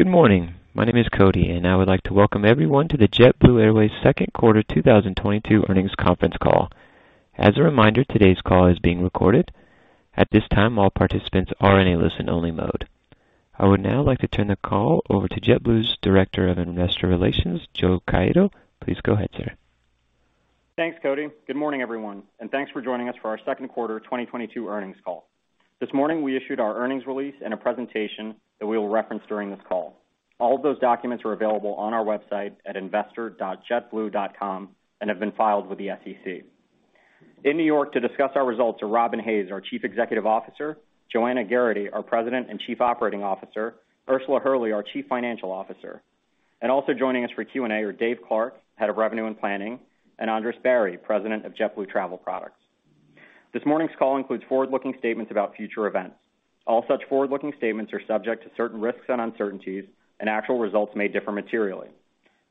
Good morning. My name is Cody, and I would like to welcome everyone to the JetBlue Airways second quarter 2022 earnings conference call. As a reminder, today's call is being recorded. At this time, all participants are in a listen-only mode. I would now like to turn the call over to JetBlue's Director of Investor Relations, Joe Caiado. Please go ahead, sir. Thanks, Cody. Good morning, everyone, and thanks for joining us for our second quarter 2022 earnings call. This morning, we issued our earnings release and a presentation that we will reference during this call. All of those documents are available on our website at investor.jetblue.com and have been filed with the SEC. In New York to discuss our results are Robin Hayes, our Chief Executive Officer, Joanna Geraghty, our President and Chief Operating Officer, Ursula Hurley, our Chief Financial Officer, and also joining us for Q&A are Dave Clark, Head of Revenue and Planning, and Andres Barry, President of JetBlue Travel Products. This morning's call includes forward-looking statements about future events. All such forward-looking statements are subject to certain risks and uncertainties, and actual results may differ materially.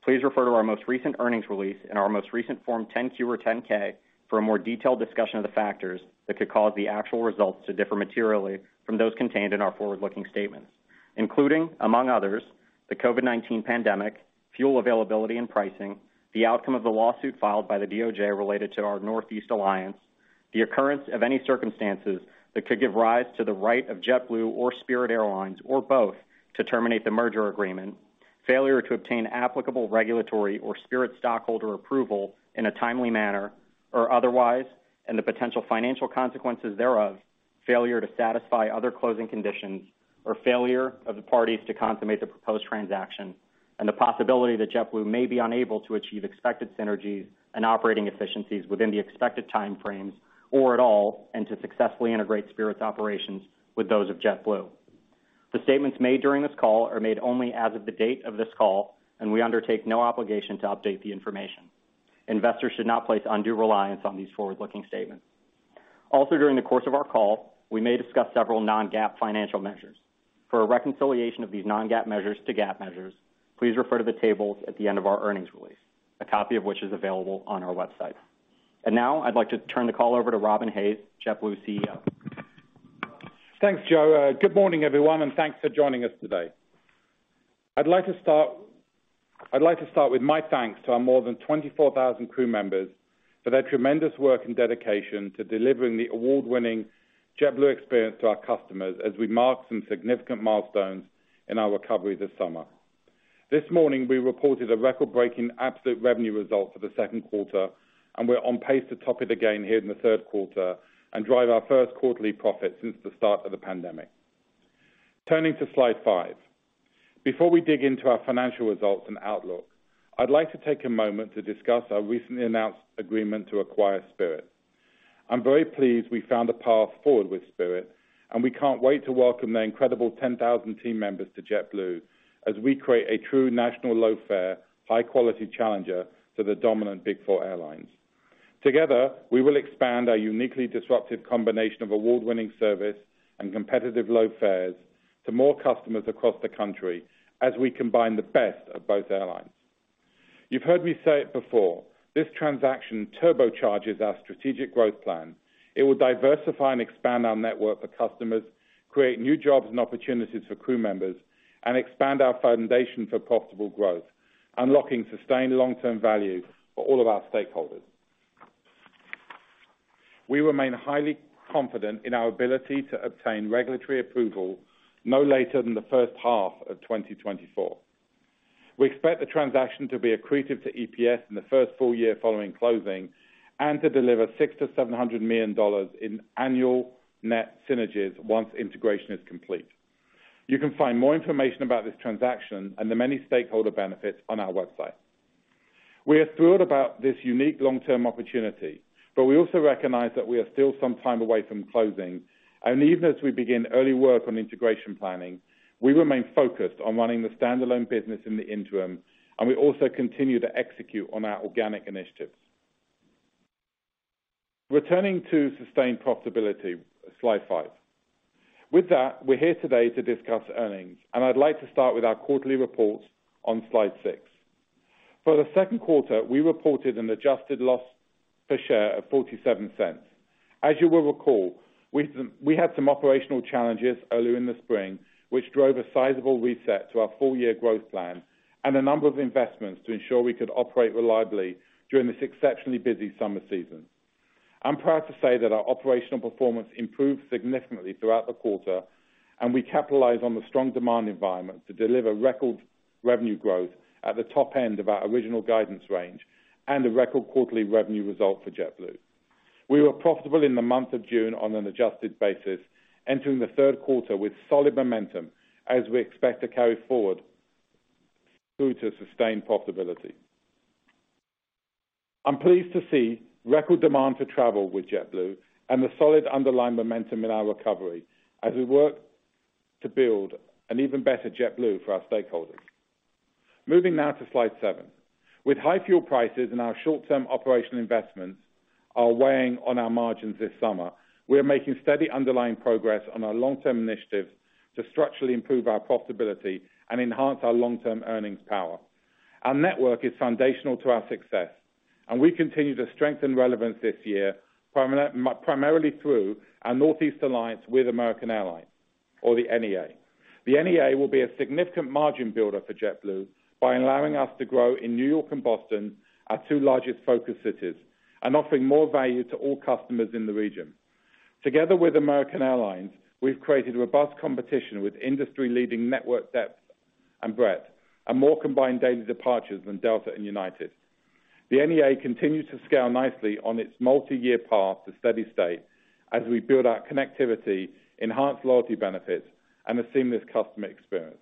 Please refer to our most recent earnings release and our most recent Form 10-Q or 10-K for a more detailed discussion of the factors that could cause the actual results to differ materially from those contained in our forward-looking statements, including, among others, the COVID-19 pandemic, fuel availability and pricing, the outcome of the lawsuit filed by the DOJ related to our Northeast Alliance, the occurrence of any circumstances that could give rise to the right of JetBlue or Spirit Airlines or both to terminate the merger agreement, failure to obtain applicable regulatory or Spirit stockholder approval in a timely manner or otherwise, and the potential financial consequences thereof, failure to satisfy other closing conditions or failure of the parties to consummate the proposed transaction, and the possibility that JetBlue may be unable to achieve expected synergies and operating efficiencies within the expected time frames or at all, and to successfully integrate Spirit's operations with those of JetBlue. The statements made during this call are made only as of the date of this call, and we undertake no obligation to update the information. Investors should not place undue reliance on these forward-looking statements. Also, during the course of our call, we may discuss several non-GAAP financial measures. For a reconciliation of these non-GAAP measures to GAAP measures, please refer to the tables at the end of our earnings release, a copy of which is available on our website. Now I'd like to turn the call over to Robin Hayes, JetBlue CEO. Thanks, Joe. Good morning, everyone, and thanks for joining us today. I'd like to start with my thanks to our more than 24,000 crew members for their tremendous work and dedication to delivering the award-winning JetBlue experience to our customers as we mark some significant milestones in our recovery this summer. This morning, we reported a record-breaking absolute revenue result for the second quarter, and we're on pace to top it again here in the third quarter and drive our first quarterly profit since the start of the pandemic. Turning to slide five. Before we dig into our financial results and outlook, I'd like to take a moment to discuss our recently announced agreement to acquire Spirit Airlines. I'm very pleased we found a path forward with Spirit, and we can't wait to welcome their incredible 10,000 team members to JetBlue as we create a true national low-fare, high-quality challenger to the dominant Big Four airlines. Together, we will expand our uniquely disruptive combination of award-winning service and competitive low fares to more customers across the country as we combine the best of both airlines. You've heard me say it before, this transaction turbocharges our strategic growth plan. It will diversify and expand our network for customers, create new jobs and opportunities for crew members, and expand our foundation for profitable growth, unlocking sustained long-term value for all of our stakeholders. We remain highly confident in our ability to obtain regulatory approval no later than the first half of 2024. We expect the transaction to be accretive to EPS in the first full year following closing and to deliver $600 million-$700 million in annual net synergies once integration is complete. You can find more information about this transaction and the many stakeholder benefits on our website. We are thrilled about this unique long-term opportunity, but we also recognize that we are still some time away from closing. Even as we begin early work on integration planning, we remain focused on running the standalone business in the interim, and we also continue to execute on our organic initiatives. Returning to sustained profitability. Slide five. With that, we're here today to discuss earnings, and I'd like to start with our quarterly reports on slide six. For the second quarter, we reported an adjusted loss per share of $0.47. As you will recall, we had some operational challenges earlier in the spring, which drove a sizable reset to our full-year growth plan and a number of investments to ensure we could operate reliably during this exceptionally busy summer season. I'm proud to say that our operational performance improved significantly throughout the quarter, and we capitalized on the strong demand environment to deliver record revenue growth at the top end of our original guidance range and a record quarterly revenue result for JetBlue. We were profitable in the month of June on an adjusted basis, entering the third quarter with solid momentum as we expect to carry forward through to sustained profitability. I'm pleased to see record demand to travel with JetBlue and the solid underlying momentum in our recovery as we work to build an even better JetBlue for our stakeholders. Moving now to slide seven. With high fuel prices and our short-term operational investments are weighing on our margins this summer, we are making steady underlying progress on our long-term initiatives to structurally improve our profitability and enhance our long-term earnings power. Our network is foundational to our success, and we continue to strengthen relevance this year, primarily through our Northeast Alliance with American Airlines or the NEA. The NEA will be a significant margin builder for JetBlue by allowing us to grow in New York and Boston, our two largest focus cities, and offering more value to all customers in the region. Together with American Airlines, we've created robust competition with industry-leading network depth and breadth and more combined daily departures than Delta and United. The NEA continues to scale nicely on its multi-year path to steady state as we build our connectivity, enhance loyalty benefits, and a seamless customer experience.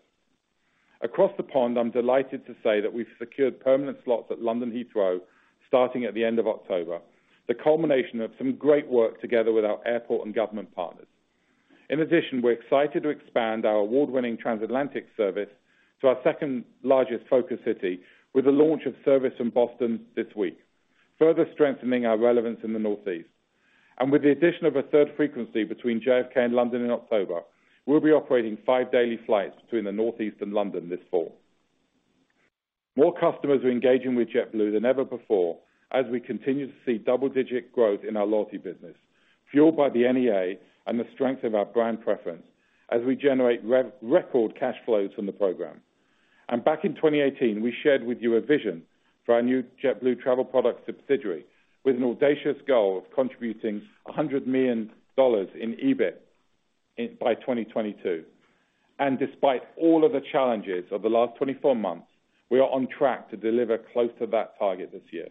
Across the pond, I'm delighted to say that we've secured permanent slots at London Heathrow starting at the end of October, the culmination of some great work together with our airport and government partners. In addition, we're excited to expand our award-winning transatlantic service to our second largest focus city with the launch of service from Boston this week, further strengthening our relevance in the Northeast. With the addition of a third frequency between JFK and London in October, we'll be operating five daily flights between the Northeast and London this fall. More customers are engaging with JetBlue than ever before as we continue to see double-digit growth in our loyalty business, fueled by the NEA and the strength of our brand preference as we generate record cash flows from the program. Back in 2018, we shared with you a vision for our new JetBlue Travel Products subsidiary with an audacious goal of contributing $100 million in EBIT by 2022. Despite all of the challenges of the last 24 months, we are on track to deliver close to that target this year.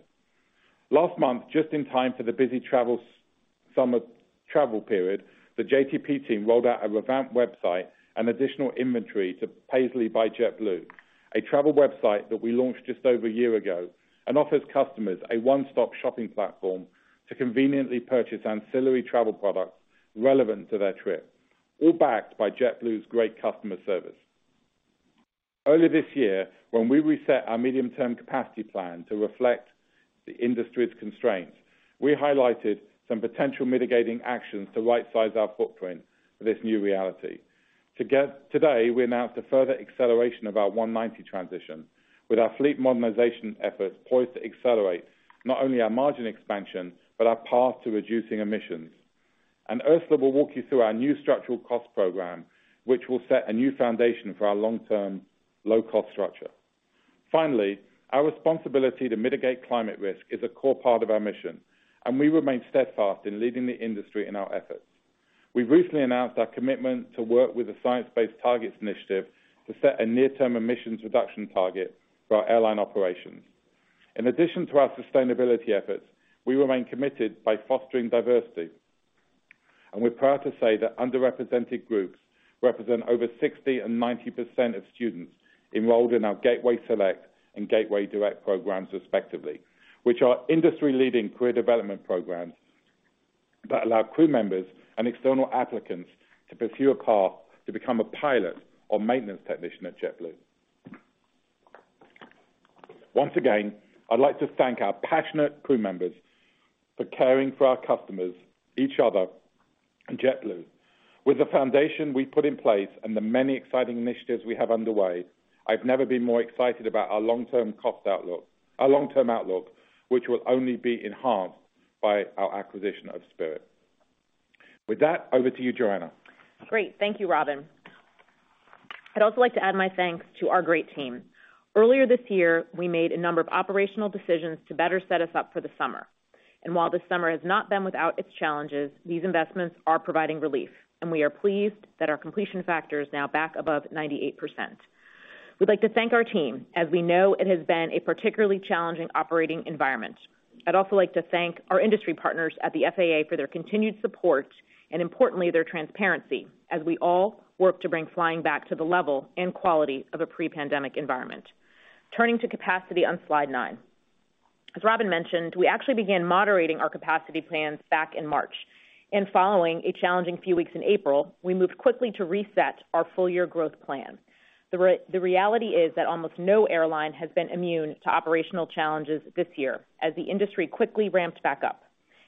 Last month, just in time for the busy summer travel period, the JTP team rolled out a revamped website and additional inventory to Paisly by JetBlue, a travel website that we launched just over a year ago and offers customers a one-stop shopping platform to conveniently purchase ancillary travel products relevant to their trip, all backed by JetBlue's great customer service. Earlier this year, when we reset our medium-term capacity plan to reflect the industry's constraints, we highlighted some potential mitigating actions to rightsize our footprint for this new reality. Today, we announced a further acceleration of our E190 transition with our fleet modernization efforts poised to accelerate not only our margin expansion, but our path to reducing emissions. Ursula will walk you through our new structural cost program, which will set a new foundation for our long-term low cost structure. Finally, our responsibility to mitigate climate risk is a core part of our mission, and we remain steadfast in leading the industry in our efforts. We've recently announced our commitment to work with the Science-Based Targets initiative to set a near-term emissions reduction target for our airline operations. In addition to our sustainability efforts, we remain committed by fostering diversity. We're proud to say that underrepresented groups represent over 60% and 90% of students enrolled in our Gateway Select and Gateway Direct programs respectively, which are industry-leading career development programs that allow crew members and external applicants to pursue a path to become a pilot or maintenance technician at JetBlue. Once again, I'd like to thank our passionate crew members for caring for our customers, each other, and JetBlue. With the foundation we put in place and the many exciting initiatives we have underway, I've never been more excited about our long-term cost outlook, our long-term outlook, which will only be enhanced by our acquisition of Spirit. With that, over to you, Joanna. Great. Thank you, Robin. I'd also like to add my thanks to our great team. Earlier this year, we made a number of operational decisions to better set us up for the summer. While this summer has not been without its challenges, these investments are providing relief, and we are pleased that our completion factor is now back above 98%. We'd like to thank our team, as we know it has been a particularly challenging operating environment. I'd also like to thank our industry partners at the FAA for their continued support and importantly, their transparency as we all work to bring flying back to the level and quality of a pre-pandemic environment. Turning to capacity on slide 9. As Robin mentioned, we actually began moderating our capacity plans back in March. Following a challenging few weeks in April, we moved quickly to reset our full year growth plan. The reality is that almost no airline has been immune to operational challenges this year as the industry quickly ramps back up.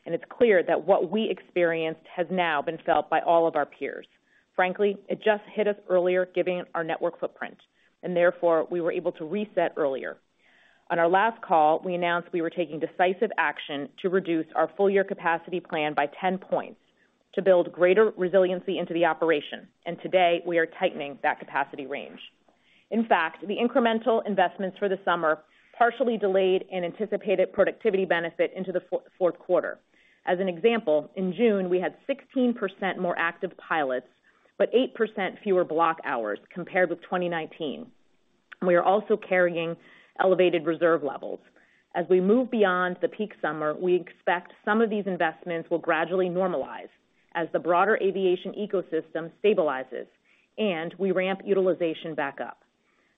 It's clear that what we experienced has now been felt by all of our peers. Frankly, it just hit us earlier giving our network footprint, and therefore we were able to reset earlier. On our last call, we announced we were taking decisive action to reduce our full year capacity plan by 10 points to build greater resiliency into the operation, and today we are tightening that capacity range. In fact, the incremental investments for the summer partially delayed an anticipated productivity benefit into the fourth quarter. As an example, in June, we had 16% more active pilots, but 8% fewer block hours compared with 2019. We are also carrying elevated reserve levels. As we move beyond the peak summer, we expect some of these investments will gradually normalize as the broader aviation ecosystem stabilizes and we ramp utilization back up.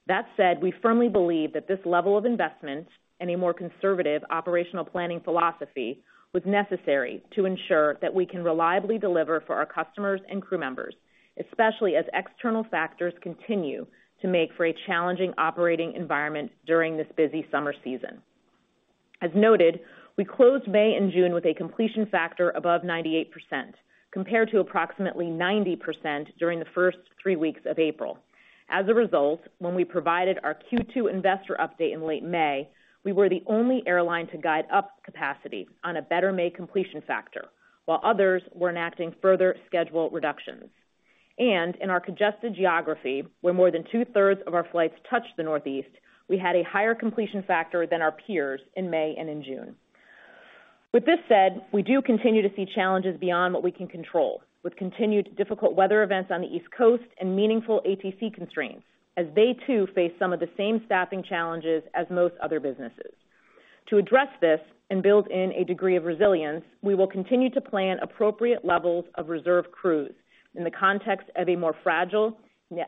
That said, we firmly believe that this level of investment and a more conservative operational planning philosophy was necessary to ensure that we can reliably deliver for our customers and crew members, especially as external factors continue to make for a challenging operating environment during this busy summer season. As noted, we closed May and June with a completion factor above 98% compared to approximately 90% during the first three weeks of April. As a result, when we provided our Q2 investor update in late May, we were the only airline to guide up capacity on a better May completion factor, while others were enacting further schedule reductions. In our congested geography, where more than two-thirds of our flights touch the Northeast, we had a higher completion factor than our peers in May and in June. With this said, we do continue to see challenges beyond what we can control, with continued difficult weather events on the East Coast and meaningful ATC constraints, as they too face some of the same staffing challenges as most other businesses. To address this and build in a degree of resilience, we will continue to plan appropriate levels of reserve crews in the context of a more fragile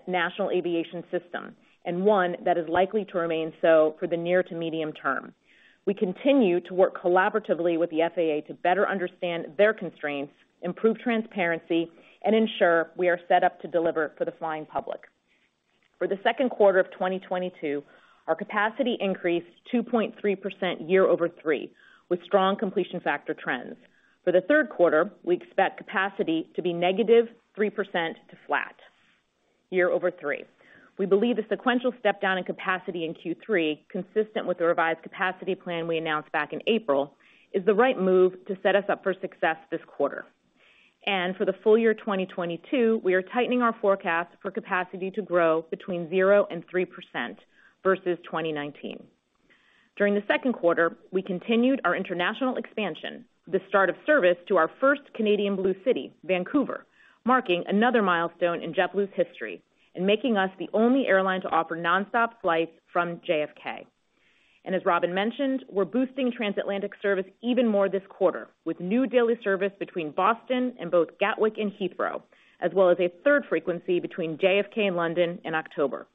national aviation system, and one that is likely to remain so for the near to medium term. We continue to work collaboratively with the FAA to better understand their constraints, improve transparency, and ensure we are set up to deliver for the flying public. For the second quarter of 2022, our capacity increased 2.3% year-over-year, with strong completion factor trends. For the third quarter, we expect capacity to be -3% to flat year-over-year. We believe the sequential step down in capacity in Q3, consistent with the revised capacity plan we announced back in April, is the right move to set us up for success this quarter. For the full year 2022, we are tightening our forecast for capacity to grow between 0% and 3% versus 2019. During the second quarter, we continued our international expansion with the start of service to our first Canadian Blue city, Vancouver, marking another milestone in JetBlue's history and making us the only airline to offer nonstop flights from JFK. As Robin mentioned, we're boosting transatlantic service even more this quarter with new daily service between Boston and both Gatwick and Heathrow, as well as a third frequency between JFK and London in October.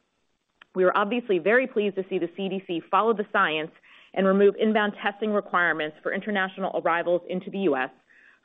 We are obviously very pleased to see the CDC follow the science and remove inbound testing requirements for international arrivals into the U.S.,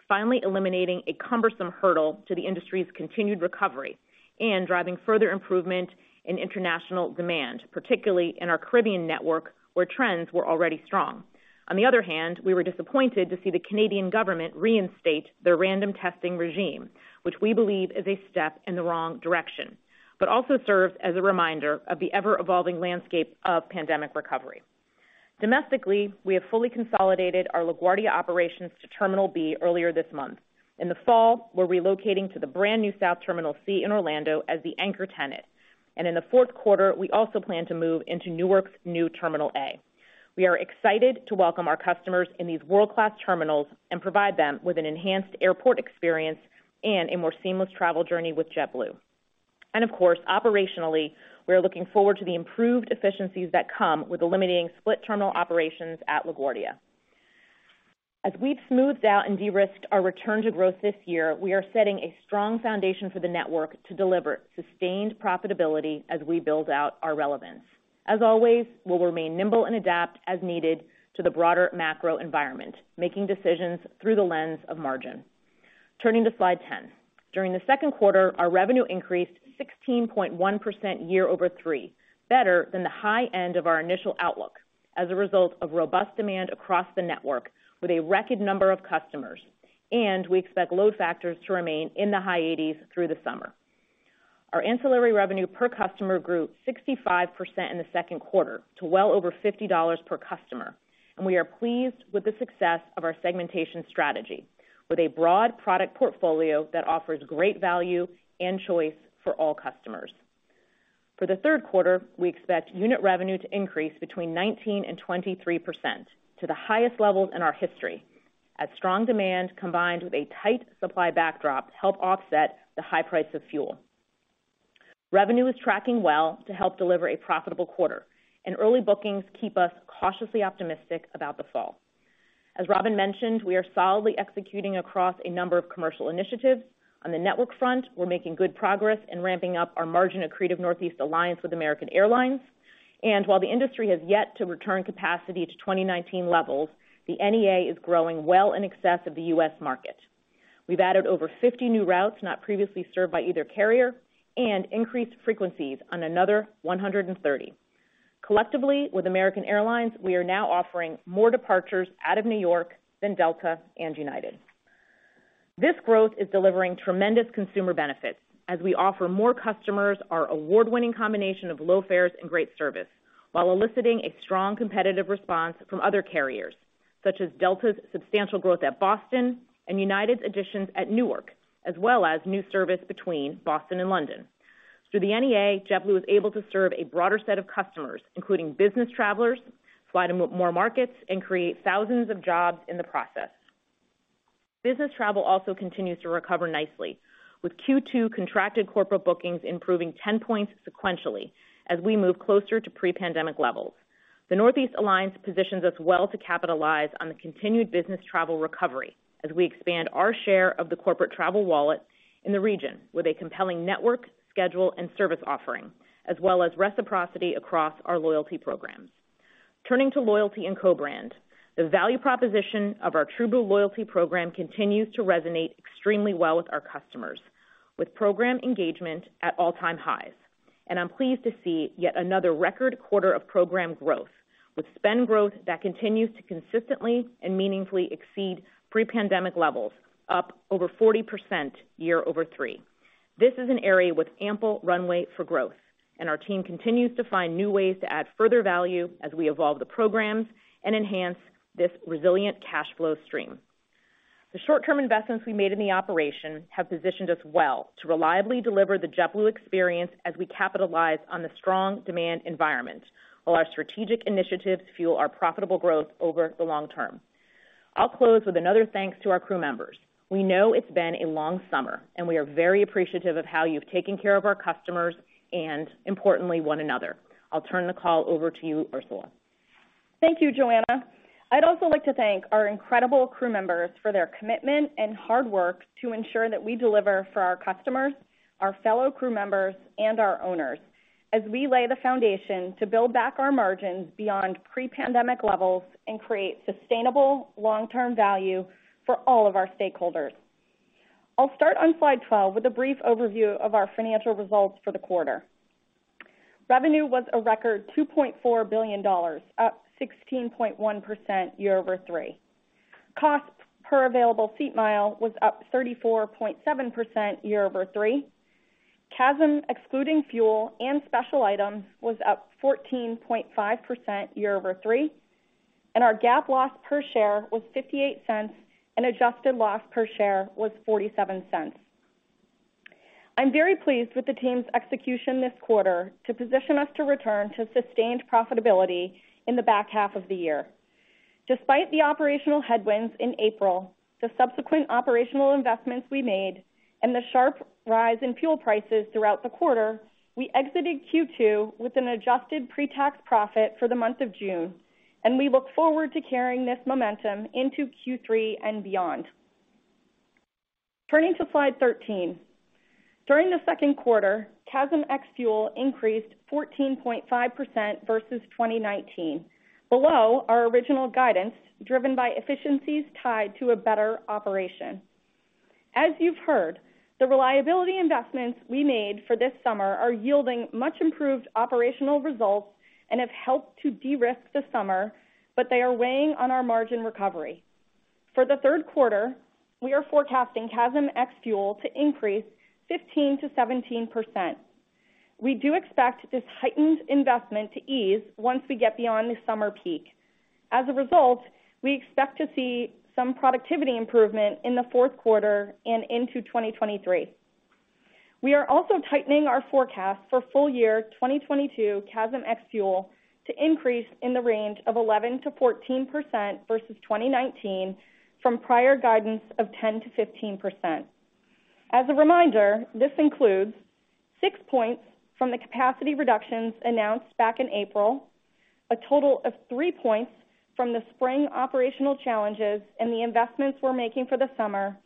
finally eliminating a cumbersome hurdle to the industry's continued recovery and driving further improvement in international demand, particularly in our Caribbean network, where trends were already strong. On the other hand, we were disappointed to see the Canadian government reinstate their random testing regime, which we believe is a step in the wrong direction, but also serves as a reminder of the ever-evolving landscape of pandemic recovery. Domestically, we have fully consolidated our LaGuardia operations to Terminal B earlier this month. In the fall, we're relocating to the brand new South Terminal C in Orlando as the anchor tenant. In the fourth quarter, we also plan to move into Newark's new Terminal A. We are excited to welcome our customers in these world-class terminals and provide them with an enhanced airport experience and a more seamless travel journey with JetBlue. Of course, operationally, we are looking forward to the improved efficiencies that come with eliminating split terminal operations at LaGuardia. We've smoothed out and de-risked our return to growth this year, we are setting a strong foundation for the network to deliver sustained profitability as we build out our relevance. As always, we'll remain nimble and adapt as needed to the broader macro environment, making decisions through the lens of margin. Turning to slide 10. During the second quarter, our revenue increased 16.1% year-over-year, better than the high end of our initial outlook as a result of robust demand across the network with a record number of customers, and we expect load factors to remain in the high 80s through the summer. Our ancillary revenue per customer grew 65% in the second quarter to well over $50 per customer, and we are pleased with the success of our segmentation strategy with a broad product portfolio that offers great value and choice for all customers. For the third quarter, we expect unit revenue to increase between 19% and 23% to the highest levels in our history as strong demand combined with a tight supply backdrop help offset the high price of fuel. Revenue is tracking well to help deliver a profitable quarter, and early bookings keep us cautiously optimistic about the fall. As Robin mentioned, we are solidly executing across a number of commercial initiatives. On the network front, we're making good progress in ramping up our margin accretive Northeast Alliance with American Airlines. While the industry has yet to return capacity to 2019 levels, the NEA is growing well in excess of the U.S. market. We've added over 50 new routes not previously served by either carrier and increased frequencies on another 130. Collectively, with American Airlines, we are now offering more departures out of New York than Delta and United. This growth is delivering tremendous consumer benefits as we offer more customers our award-winning combination of low fares and great service while eliciting a strong competitive response from other carriers, such as Delta's substantial growth at Boston and United's additions at Newark, as well as new service between Boston and London. Through the NEA, JetBlue is able to serve a broader set of customers, including business travelers, fly to more markets, and create thousands of jobs in the process. Business travel also continues to recover nicely, with Q2 contracted corporate bookings improving 10 points sequentially as we move closer to pre-pandemic levels. The Northeast Alliance positions us well to capitalize on the continued business travel recovery as we expand our share of the corporate travel wallet in the region with a compelling network, schedule, and service offering, as well as reciprocity across our loyalty programs. Turning to loyalty and co-brand, the value proposition of our TrueBlue loyalty program continues to resonate extremely well with our customers. With program engagement at all-time highs. I'm pleased to see yet another record quarter of program growth, with spend growth that continues to consistently and meaningfully exceed pre-pandemic levels, up over 40% year-over-year. This is an area with ample runway for growth, and our team continues to find new ways to add further value as we evolve the programs and enhance this resilient cash flow stream. The short-term investments we made in the operation have positioned us well to reliably deliver the JetBlue experience as we capitalize on the strong demand environment, while our strategic initiatives fuel our profitable growth over the long term. I'll close with another thanks to our crew members. We know it's been a long summer, and we are very appreciative of how you've taken care of our customers and importantly, one another. I'll turn the call over to you, Ursula. Thank you, Joanna. I'd also like to thank our incredible crew members for their commitment and hard work to ensure that we deliver for our customers, our fellow crew members, and our owners as we lay the foundation to build back our margins beyond pre-pandemic levels and create sustainable long-term value for all of our stakeholders. I'll start on slide 12 with a brief overview of our financial results for the quarter. Revenue was a record $2.4 billion, up 16.1% year-over-year. Cost per available seat mile was up 34.7% year-over-year. CASM excluding fuel and special items was up 14.5% year-over-year, and our GAAP loss per share was $0.58, and adjusted loss per share was $0.47. I'm very pleased with the team's execution this quarter to position us to return to sustained profitability in the back half of the year. Despite the operational headwinds in April, the subsequent operational investments we made, and the sharp rise in fuel prices throughout the quarter, we exited Q2 with an adjusted pre-tax profit for the month of June, and we look forward to carrying this momentum into Q3 and beyond. Turning to slide 13. During the second quarter, CASM ex-fuel increased 14.5% versus 2019, below our original guidance, driven by efficiencies tied to a better operation. As you've heard, the reliability investments we made for this summer are yielding much improved operational results and have helped to de-risk the summer, but they are weighing on our margin recovery. For the third quarter, we are forecasting CASM ex-fuel to increase 15%-17%. We do expect this heightened investment to ease once we get beyond the summer peak. As a result, we expect to see some productivity improvement in the fourth quarter and into 2023. We are also tightening our forecast for full year 2022 CASM ex-fuel to increase in the range of 11%-14% versus 2019 from prior guidance of 10%-15%. As a reminder, this includes 6 points from the capacity reductions announced back in April, a total of 3 points from the spring operational challenges and the investments we're making for the summer,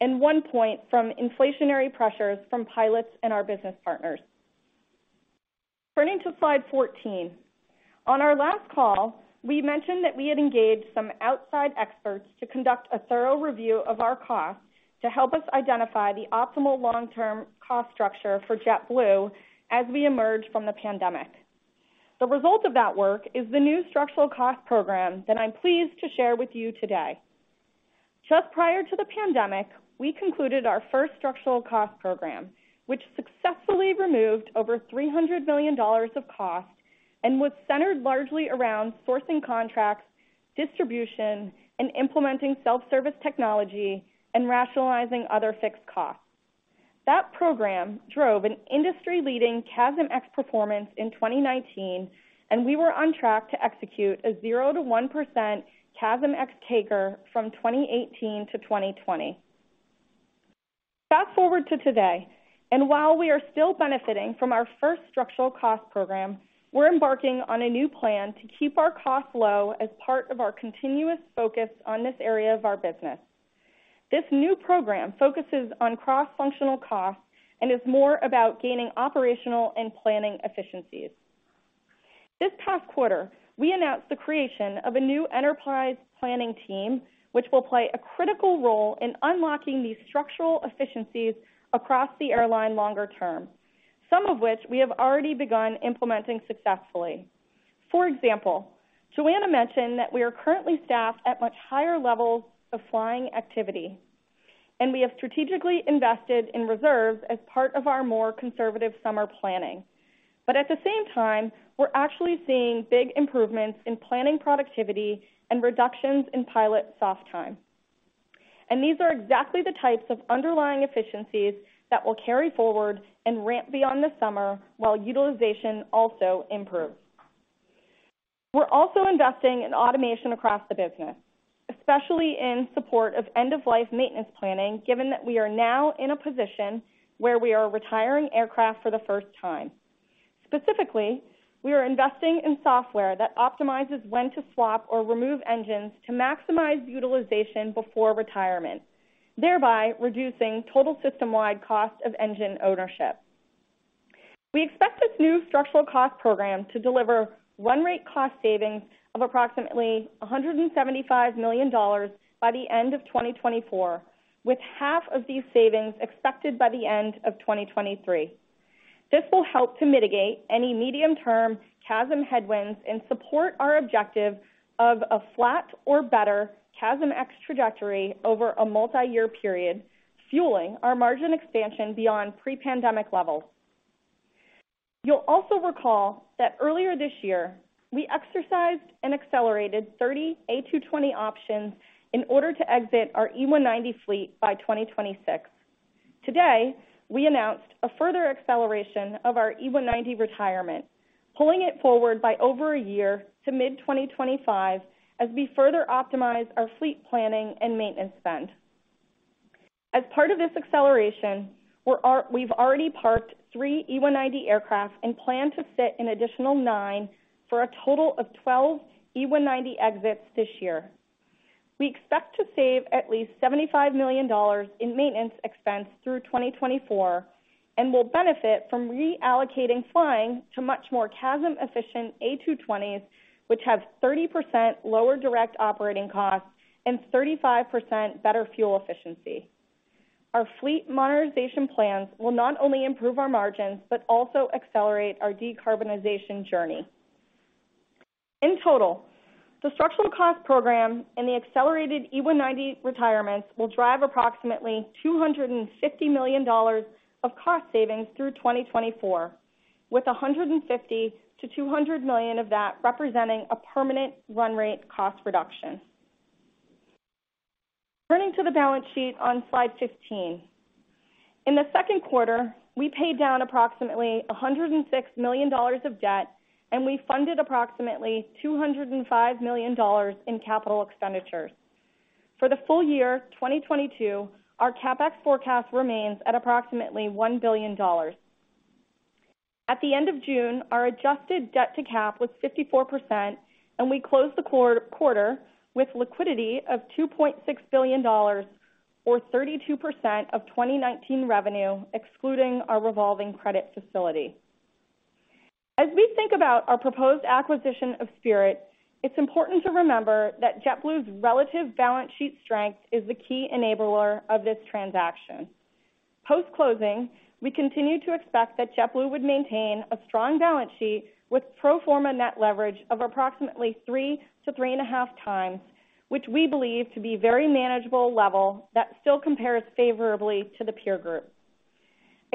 and 1 point from inflationary pressures from pilots and our business partners. Turning to slide 14. On our last call, we mentioned that we had engaged some outside experts to conduct a thorough review of our costs to help us identify the optimal long-term cost structure for JetBlue as we emerge from the pandemic. The result of that work is the new structural cost program that I'm pleased to share with you today. Just prior to the pandemic, we concluded our first structural cost program, which successfully removed over $300 million of cost and was centered largely around sourcing contracts, distribution, and implementing self-service technology and rationalizing other fixed costs. That program drove an industry-leading CASM ex performance in 2019, and we were on track to execute a 0%-1% CASM ex take from 2018 to 2020. Fast-forward to today, and while we are still benefiting from our first structural cost program, we're embarking on a new plan to keep our costs low as part of our continuous focus on this area of our business. This new program focuses on cross-functional costs and is more about gaining operational and planning efficiencies. This past quarter, we announced the creation of a new enterprise planning team, which will play a critical role in unlocking these structural efficiencies across the airline longer term, some of which we have already begun implementing successfully. For example, Joanna mentioned that we are currently staffed at much higher levels of flying activity, and we have strategically invested in reserves as part of our more conservative summer planning. At the same time, we're actually seeing big improvements in planning productivity and reductions in pilot soft time. These are exactly the types of underlying efficiencies that will carry forward and ramp beyond the summer while utilization also improves. We're also investing in automation across the business, especially in support of end-of-life maintenance planning, given that we are now in a position where we are retiring aircraft for the first time. Specifically, we are investing in software that optimizes when to swap or remove engines to maximize utilization before retirement, thereby reducing total system-wide cost of engine ownership. We expect this new structural cost program to deliver run rate cost savings of approximately $175 million by the end of 2024, with half of these savings expected by the end of 2023. This will help to mitigate any medium-term CASM headwinds and support our objective of a flat or better CASM ex trajectory over a multiyear period, fueling our margin expansion beyond pre-pandemic levels. You'll also recall that earlier this year, we exercised and accelerated 30 A220 options in order to exit our E190 fleet by 2026. Today, we announced a further acceleration of our E190 retirement, pulling it forward by over a year to mid-2025 as we further optimize our fleet planning and maintenance spend. As part of this acceleration, we've already parked three E190 aircraft and plan to park an additional nine for a total of 12 E190 exits this year. We expect to save at least $75 million in maintenance expense through 2024, and will benefit from reallocating flying to much more CASM efficient A220s, which have 30% lower direct operating costs and 35% better fuel efficiency. Our fleet modernization plans will not only improve our margins, but also accelerate our decarbonization journey. In total, the structural cost program and the accelerated E190 retirements will drive approximately $250 million of cost savings through 2024, with $150 million-$200 million of that representing a permanent run rate cost reduction. Turning to the balance sheet on slide 15. In the second quarter, we paid down approximately $106 million of debt, and we funded approximately $205 million in capital expenditures. For the full year 2022, our CapEx forecast remains at approximately $1 billion. At the end of June, our adjusted debt to cap was 54%, and we closed the quarter with liquidity of $2.6 billion or 32% of 2019 revenue, excluding our revolving credit facility. As we think about our proposed acquisition of Spirit, it's important to remember that JetBlue's relative balance sheet strength is the key enabler of this transaction. Post-closing, we continue to expect that JetBlue would maintain a strong balance sheet with pro forma net leverage of approximately 3-3.5 times, which we believe to be very manageable level that still compares favorably to the peer group.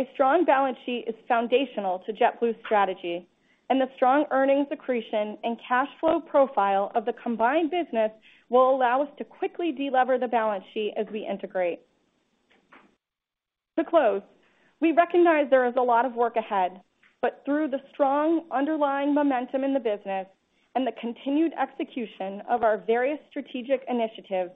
A strong balance sheet is foundational to JetBlue's strategy, and the strong earnings accretion and cash flow profile of the combined business will allow us to quickly delever the balance sheet as we integrate. To close, we recognize there is a lot of work ahead, but through the strong underlying momentum in the business and the continued execution of our various strategic initiatives,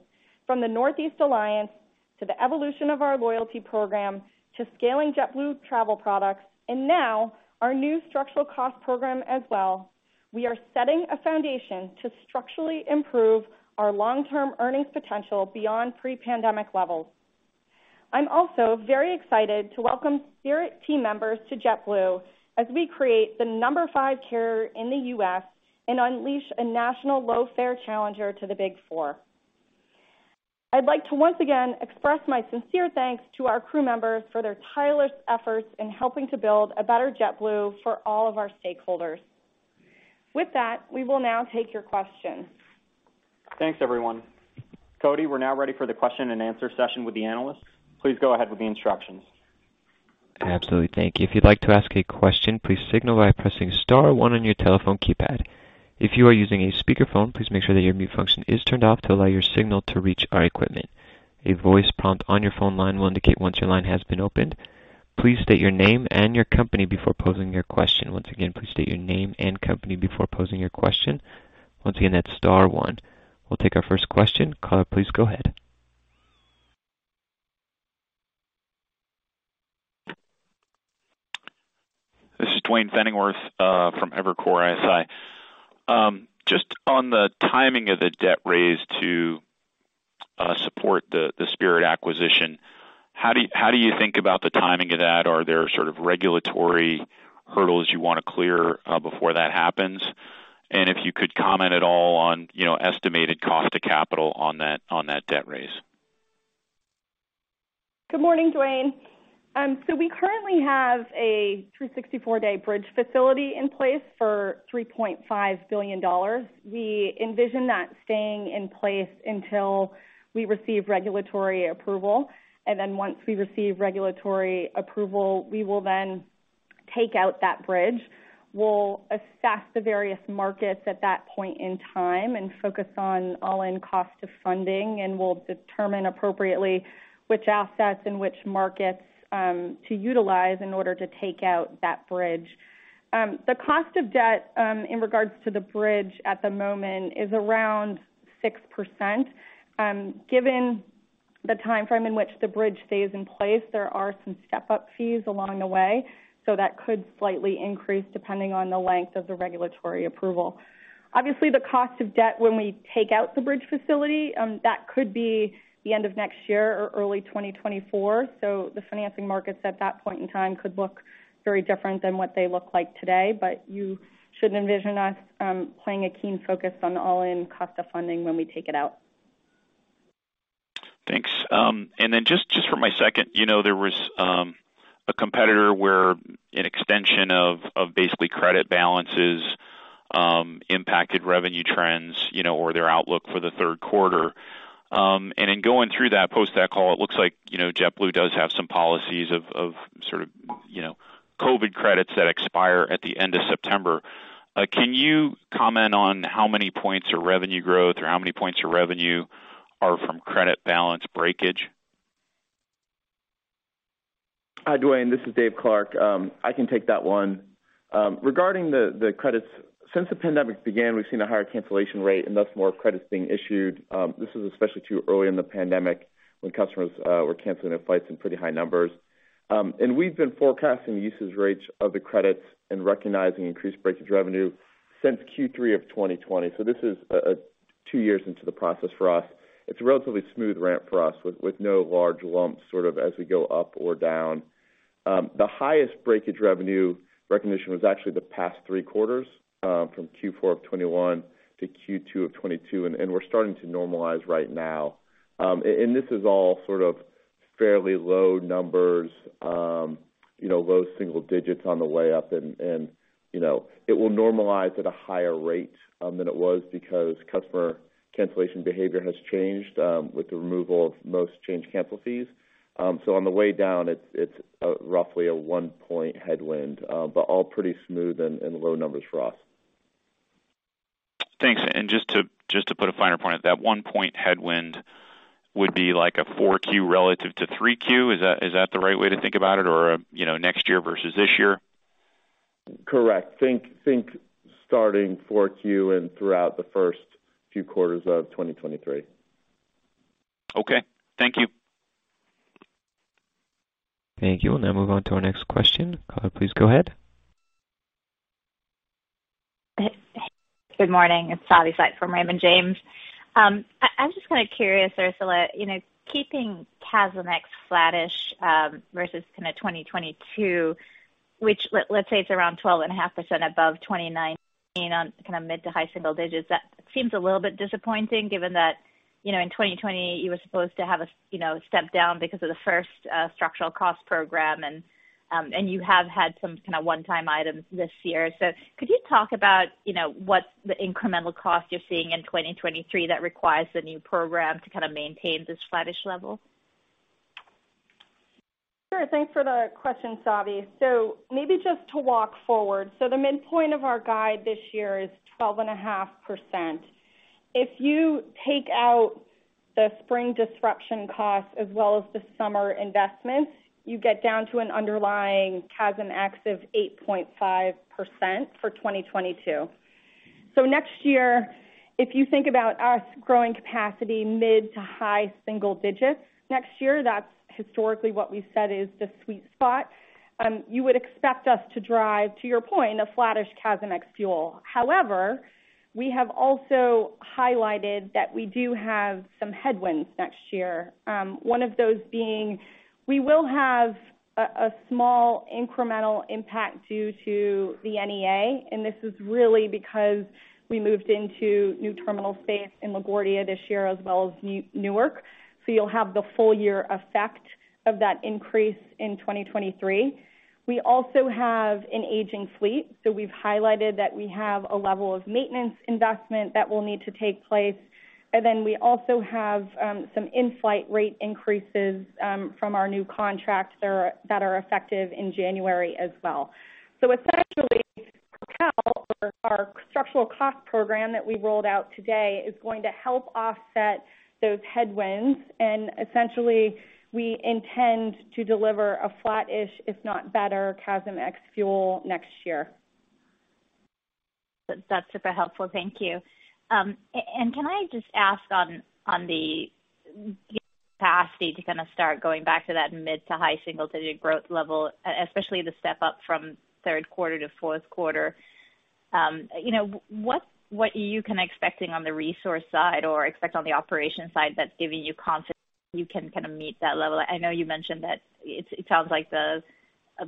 from the Northeast Alliance to the evolution of our loyalty program, to scaling JetBlue Travel Products, and now our new structural cost program as well, we are setting a foundation to structurally improve our long-term earnings potential beyond pre-pandemic levels. I'm also very excited to welcome Spirit team members to JetBlue as we create the number five carrier in the U.S. and unleash a national low-fare challenger to the Big Four. I'd like to once again express my sincere thanks to our crew members for their tireless efforts in helping to build a better JetBlue for all of our stakeholders. With that, we will now take your questions. Thanks, everyone. Cody, we're now ready for the question and answer session with the analysts. Please go ahead with the instructions. Absolutely. Thank you. If you'd like to ask a question, please signal by pressing star one on your telephone keypad. If you are using a speakerphone, please make sure that your mute function is turned off to allow your signal to reach our equipment. A voice prompt on your phone line will indicate once your line has been opened. Please state your name and your company before posing your question. Once again, please state your name and company before posing your question. Once again, that's star one. We'll take our first question. Caller, please go ahead. This is Duane Pfennigwerth from Evercore ISI. Just on the timing of the debt raise to support the Spirit acquisition, how do you think about the timing of that? Are there sort of regulatory hurdles you wanna clear before that happens? If you could comment at all on, you know, estimated cost of capital on that debt raise. Good morning, Duane. We currently have a 364-day bridge facility in place for $3.5 billion. We envision that staying in place until we receive regulatory approval. Once we receive regulatory approval, we will then take out that bridge. We'll assess the various markets at that point in time and focus on all-in cost of funding, and we'll determine appropriately which assets and which markets to utilize in order to take out that bridge. The cost of debt in regards to the bridge at the moment is around 6%. Given the timeframe in which the bridge stays in place, there are some step-up fees along the way, so that could slightly increase depending on the length of the regulatory approval. Obviously, the cost of debt when we take out the bridge facility, that could be the end of next year or early 2024. The financing markets at that point in time could look very different than what they look like today. You should envision us, playing a keen focus on all-in cost of funding when we take it out. Thanks. Just for my second, you know, there was a competitor where an extension of basically credit balances impacted revenue trends, you know, or their outlook for the third quarter. In going through that after that call, it looks like, you know, JetBlue does have some policies of sort of, you know, COVID credits that expire at the end of September. Can you comment on how many points of revenue growth or how many points of revenue are from credit balance breakage? Hi, Duane, this is Dave Clark. I can take that one. Regarding the credits, since the pandemic began, we've seen a higher cancellation rate and thus more credits being issued. This is especially true early in the pandemic when customers were canceling their flights in pretty high numbers. We've been forecasting the usage rates of the credits and recognizing increased breakage revenue since Q3 of 2020. This is two years into the process for us. It's a relatively smooth ramp for us with no large lumps sort of as we go up or down. The highest breakage revenue recognition was actually the past three quarters, from Q4 of 2021 to Q2 of 2022, and we're starting to normalize right now. This is all sort of fairly low numbers, you know, low single digits on the way up and, you know, it will normalize at a higher rate than it was because customer cancellation behavior has changed with the removal of most change cancel fees. On the way down, it's roughly a 1-point headwind, but all pretty smooth and low numbers for us. Thanks. Just to put a finer point, that 1-point headwind would be like a 4Q relative to 3Q. Is that the right way to think about it or, you know, next year versus this year? Correct. Think starting Q4 and throughout the first few quarters of 2023. Okay. Thank you. Thank you. We'll now move on to our next question. Caller, please go ahead. Good morning. It's Savanthi Syth from Raymond James. I'm just kind of curious, Ursula, you know, keeping CASM ex flattish versus kind of 2022, which let's say it's around 12.5% above 2019 on kind of mid- to high-single digits. That seems a little bit disappointing given that, you know, in 2020, you were supposed to have a step down because of the first structural cost program, and you have had some kind of one-time items this year. Could you talk about, you know, what's the incremental cost you're seeing in 2023 that requires the new program to kind of maintain this flattish level? Sure. Thanks for the question, Savi. Maybe just to walk forward. The midpoint of our guide this year is 12.5%. If you take out the spring disruption costs as well as the summer investments, you get down to an underlying CASM ex-fuel of 8.5% for 2022. Next year, if you think about us growing capacity mid- to high-single digits next year, that's historically what we've said is the sweet spot. You would expect us to drive, to your point, a flattish CASM ex-fuel. However, we have also highlighted that we do have some headwinds next year. One of those being we will have a small incremental impact due to the NEA, and this is really because we moved into new terminal space in LaGuardia this year as well as Newark. You'll have the full year effect of that increase in 2023. We also have an aging fleet, so we've highlighted that we have a level of maintenance investment that will need to take place. We also have some in-flight rate increases from our new contracts that are effective in January as well. Essentially, our structural cost program that we rolled out today is going to help offset those headwinds, and essentially, we intend to deliver a flattish, if not better, CASM ex-fuel next year. That's super helpful. Thank you. Can I just ask on the capacity to kind of start going back to that mid- to high-single-digit growth level, especially the step up from third quarter to fourth quarter? You know, what are you kind of expecting on the resource side or on the operation side that's giving you confidence you can kind of meet that level? I know you mentioned that it sounds like the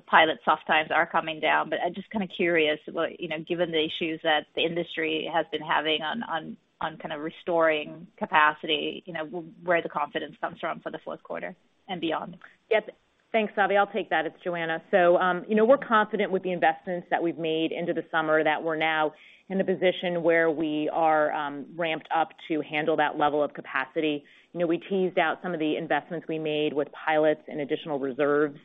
pilot shortages are coming down, but I'm just kind of curious what, you know, given the issues that the industry has been having on kind of restoring capacity, you know, where the confidence comes from for the fourth quarter and beyond. Yes. Thanks, Savi. I'll take that. It's Joanna. You know, we're confident with the investments that we've made into the summer that we're now in a position where we are ramped up to handle that level of capacity. You know, we teased out some of the investments we made with pilots and additional reserves.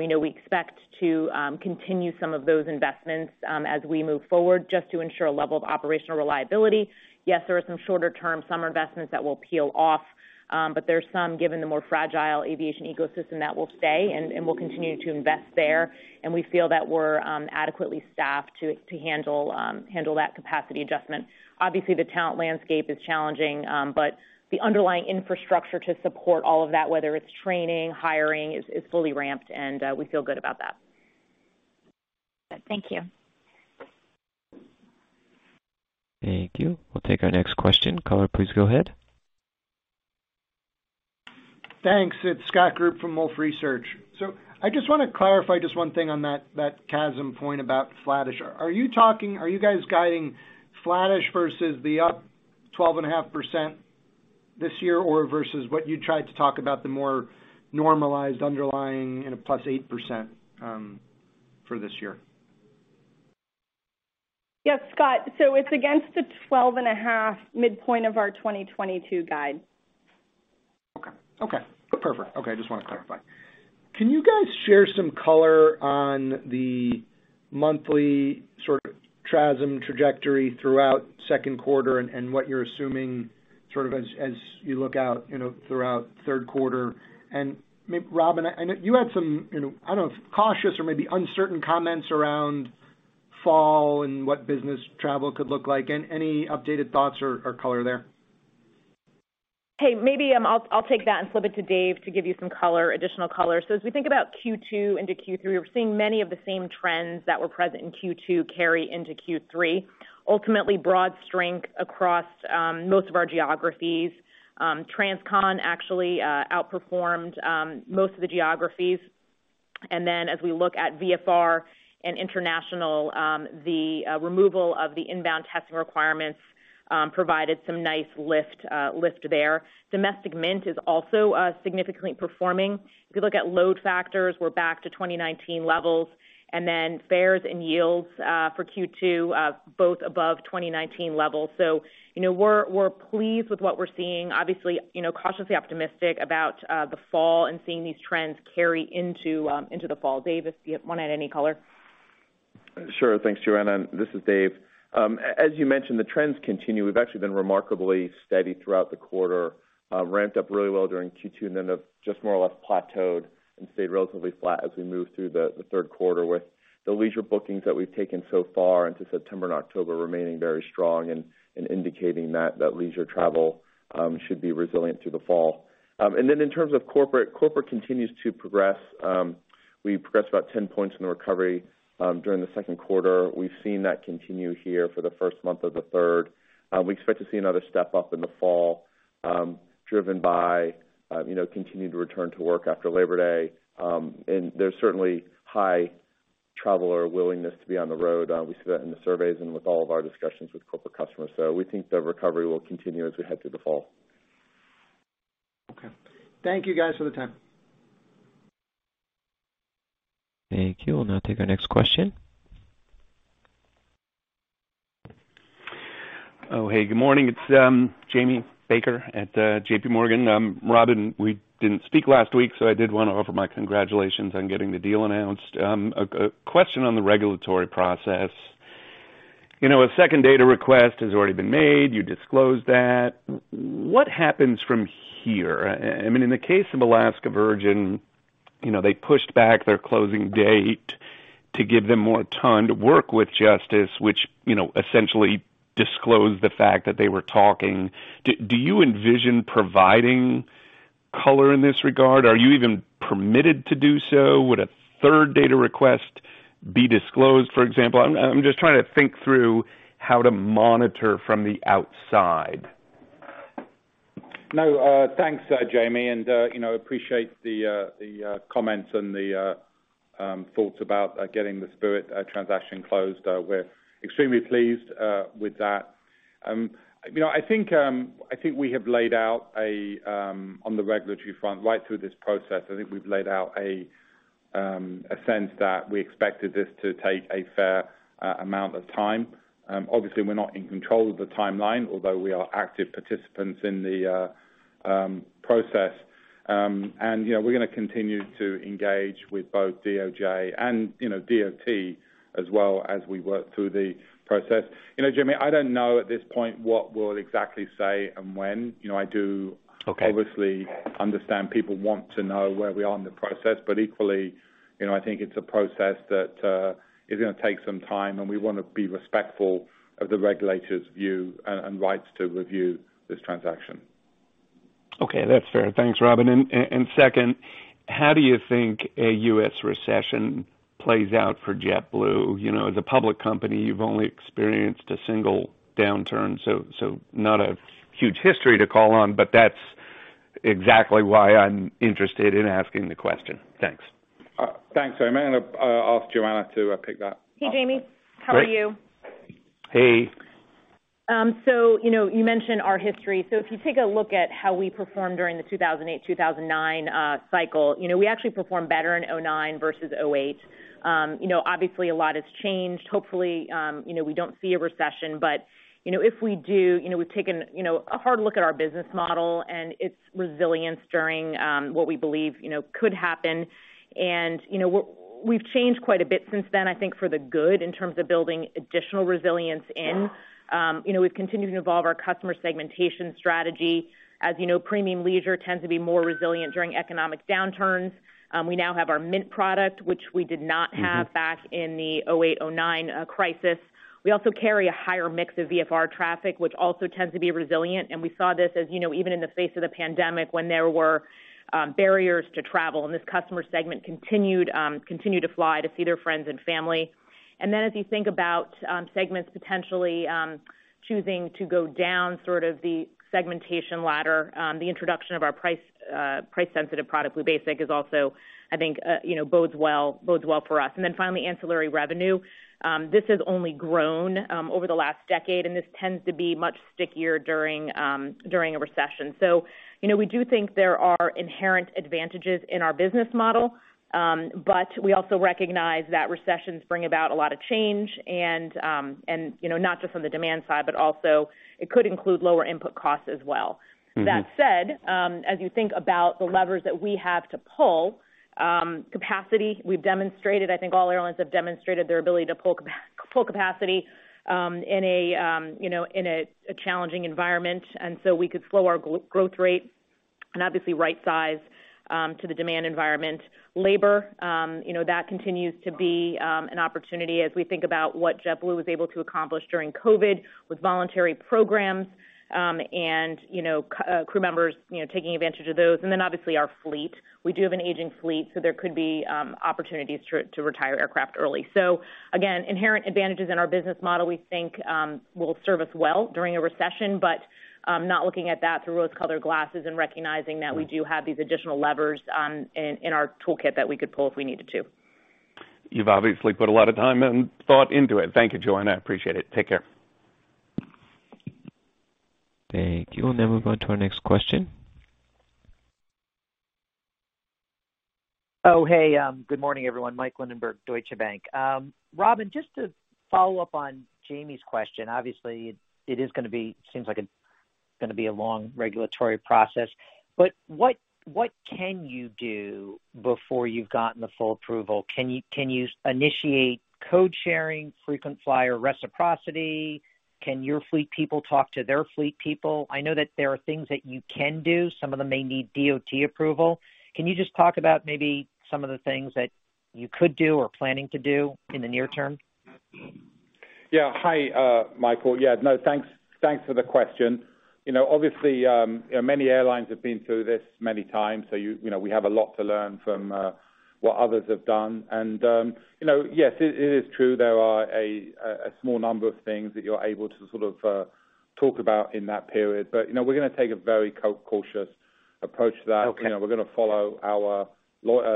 You know, we expect to continue some of those investments as we move forward just to ensure a level of operational reliability. Yes, there are some shorter-term summer investments that will peel off, but there's some, given the more fragile aviation ecosystem that will stay, and we'll continue to invest there. We feel that we're adequately staffed to handle that capacity adjustment. Obviously, the talent landscape is challenging, but the underlying infrastructure to support all of that, whether it's training, hiring, is fully ramped, and we feel good about that. Thank you. Thank you. We'll take our next question. Caller, please go ahead. Thanks. It's Scott Group from Wolfe Research. I just wanna clarify just one thing on that CASM point about flattish. Are you guys guiding flattish versus the up 12.5% this year or versus what you tried to talk about the more normalized underlying in a plus 8% for this year? Yes, Scott. It's against the 12.5 midpoint of our 2022 guide. Okay. Perfect. I just wanna clarify. Can you guys share some color on the monthly sort of TRASM trajectory throughout second quarter and what you're assuming sort of as you look out, you know, throughout third quarter? Robin, I know you had some, you know, I don't know, cautious or maybe uncertain comments around fall and what business travel could look like. Any updated thoughts or color there? Hey, maybe, I'll take that and flip it to Dave to give you some color, additional color. As we think about Q2 into Q3, we're seeing many of the same trends that were present in Q2 carry into Q3. Ultimately, broad strength across most of our geographies. Transcon actually outperformed most of the geographies. As we look at VFR and international, the removal of the inbound testing requirements provided some nice lift there. Domestic Mint is also significantly performing. If you look at load factors, we're back to 2019 levels. Fares and yields for Q2 both above 2019 levels. You know, we're pleased with what we're seeing, obviously, you know, cautiously optimistic about the fall and seeing these trends carry into the fall. Dave, if you wanna add any color. Sure. Thanks, Joanna. This is Dave. As you mentioned, the trends continue. We've actually been remarkably steady throughout the quarter. Ramped up really well during Q2, and then have just more or less plateaued and stayed relatively flat as we move through the third quarter with the leisure bookings that we've taken so far into September and October remaining very strong and indicating that that leisure travel should be resilient through the fall. In terms of corporate continues to progress. We progressed about 10 points in the recovery during the second quarter. We've seen that continue here for the first month of the third. We expect to see another step up in the fall, driven by you know, continued return to work after Labor Day. There's certainly high traveler willingness to be on the road. We see that in the surveys and with all of our discussions with corporate customers. We think the recovery will continue as we head through the fall. Okay. Thank you guys for the time. Thank you. We'll now take our next question. Oh, hey, good morning. It's Jamie Baker at J.P. Morgan. Robin, we didn't speak last week, so I did wanna offer my congratulations on getting the deal announced. A question on the regulatory process. You know, a second data request has already been made. You disclosed that. What happens from here? I mean, in the case of Alaska-Virgin, you know, they pushed back their closing date to give them more time to work with Justice, which, you know, essentially disclosed the fact that they were talking. Do you envision providing color in this regard? Are you even permitted to do so? Would a third data request be disclosed, for example? I'm just trying to think through how to monitor from the outside. No, thanks, Jamie. You know, appreciate the comments and the thoughts about getting the Spirit transaction closed. We're extremely pleased with that. You know, I think we have laid out, on the regulatory front, right through this process, a sense that we expected this to take a fair amount of time. Obviously we're not in control of the timeline, although we are active participants in the process. We're gonna continue to engage with both DOJ and DOT as well as we work through the process. You know, Jamie, I don't know at this point what we'll exactly say and when. Okay. Obviously understand people want to know where we are in the process, but equally, you know, I think it's a process that is gonna take some time, and we wanna be respectful of the regulators' view and rights to review this transaction. Okay, that's fair. Thanks, Robin. Second, how do you think a US recession plays out for JetBlue? You know, as a public company, you've only experienced a single downturn, so not a huge history to call on, but that's exactly why I'm interested in asking the question. Thanks. Thanks, Jamie. I'll ask Joanna to pick that up. Hey, Jamie. How are you? Hey. You know, you mentioned our history. If you take a look at how we performed during the 2008, 2009 cycle, you know, we actually performed better in 2009 versus 2008. You know, obviously a lot has changed. Hopefully, you know, we don't see a recession, but, you know, if we do, you know, we've taken, you know, a hard look at our business model and its resilience during, what we believe, you know, could happen. You know, we've changed quite a bit since then, I think for the good, in terms of building additional resilience in. You know, we've continued to evolve our customer segmentation strategy. As you know, premium leisure tends to be more resilient during economic downturns. We now have our Mint product, which we did not have. Back in the 2008, 2009 crisis. We also carry a higher mix of VFR traffic, which also tends to be resilient. We saw this, you know, even in the face of the pandemic when there were barriers to travel, and this customer segment continued to fly to see their friends and family. As you think about segments potentially choosing to go down sort of the segmentation ladder, the introduction of our price-sensitive product, Blue Basic, is also, I think, you know, bodes well for us. Finally, ancillary revenue. This has only grown over the last decade, and this tends to be much stickier during a recession. you know, we do think there are inherent advantages in our business model, but we also recognize that recessions bring about a lot of change and, you know, not just on the demand side, but also it could include lower input costs as well. That said, as you think about the levers that we have to pull, capacity. We've demonstrated. I think all airlines have demonstrated their ability to pull capacity, you know, in a challenging environment, so we could slow our growth rate and obviously right size to the demand environment. Labor, you know, that continues to be an opportunity as we think about what JetBlue was able to accomplish during COVID with voluntary programs, and, you know, crew members taking advantage of those. Obviously our fleet. We do have an aging fleet, so there could be opportunities to retire aircraft early. Again, inherent advantages in our business model, we think, will serve us well during a recession, but not looking at that through rose-colored glasses and recognizing that we do have these additional levers in our toolkit that we could pull if we needed to. You've obviously put a lot of time and thought into it. Thank you, Joanna. I appreciate it. Take care. Thank you. We'll now move on to our next question. Oh, hey. Good morning, everyone. Mike Linenberg, Deutsche Bank. Robin, just to follow up on Jamie's question, obviously it seems like it's gonna be a long regulatory process, but what can you do before you've gotten the full approval? Can you initiate code sharing, frequent flyer reciprocity? Can your fleet people talk to their fleet people? I know that there are things that you can do. Some of them may need DOT approval. Can you just talk about maybe some of the things that you could do or planning to do in the near term? Yeah. Hi, Michael. Yeah, no, thanks for the question. You know, obviously, you know, many airlines have been through this many times, so you know, we have a lot to learn from what others have done. You know, yes, it is true there are a small number of things that you're able to sort of talk about in that period. You know, we're gonna take a very cautious approach to that. Okay. You know, we're gonna follow our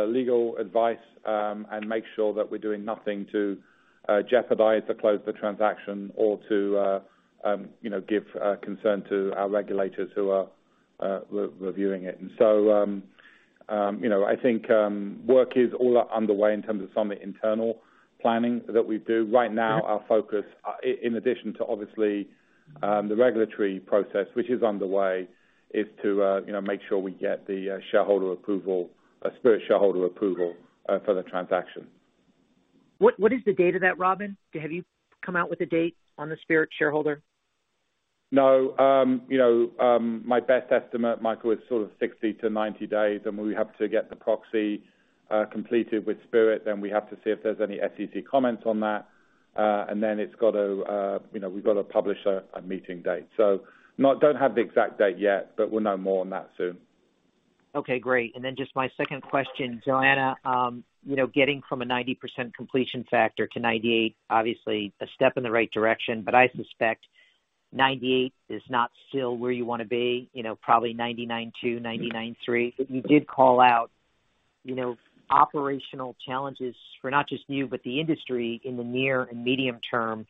legal advice, and make sure that we're doing nothing to jeopardize or close the transaction or to you know, give concern to our regulators who are re-reviewing it. You know, I think work is all underway in terms of some internal planning that we do. Right now, our focus, in addition to obviously the regulatory process, which is underway, is to you know, make sure we get the shareholder approval, Spirit shareholder approval, for the transaction. What is the date of that, Robin? Have you come out with a date on the Spirit shareholder? No. You know, my best estimate, Michael, is sort of 60-90 days, and we have to get the proxy completed with Spirit, then we have to see if there's any SEC comments on that. And then it's got to, you know, we've got to publish a meeting date. Don't have the exact date yet, but we'll know more on that soon. Okay, great. Just my second question. Joanna, you know, getting from a 90% completion factor to 98, obviously a step in the right direction, but I suspect 98 is not still where you wanna be, you know, probably 99.2, 99.3. You did call out, you know, operational challenges for not just you, but the industry in the near and medium term.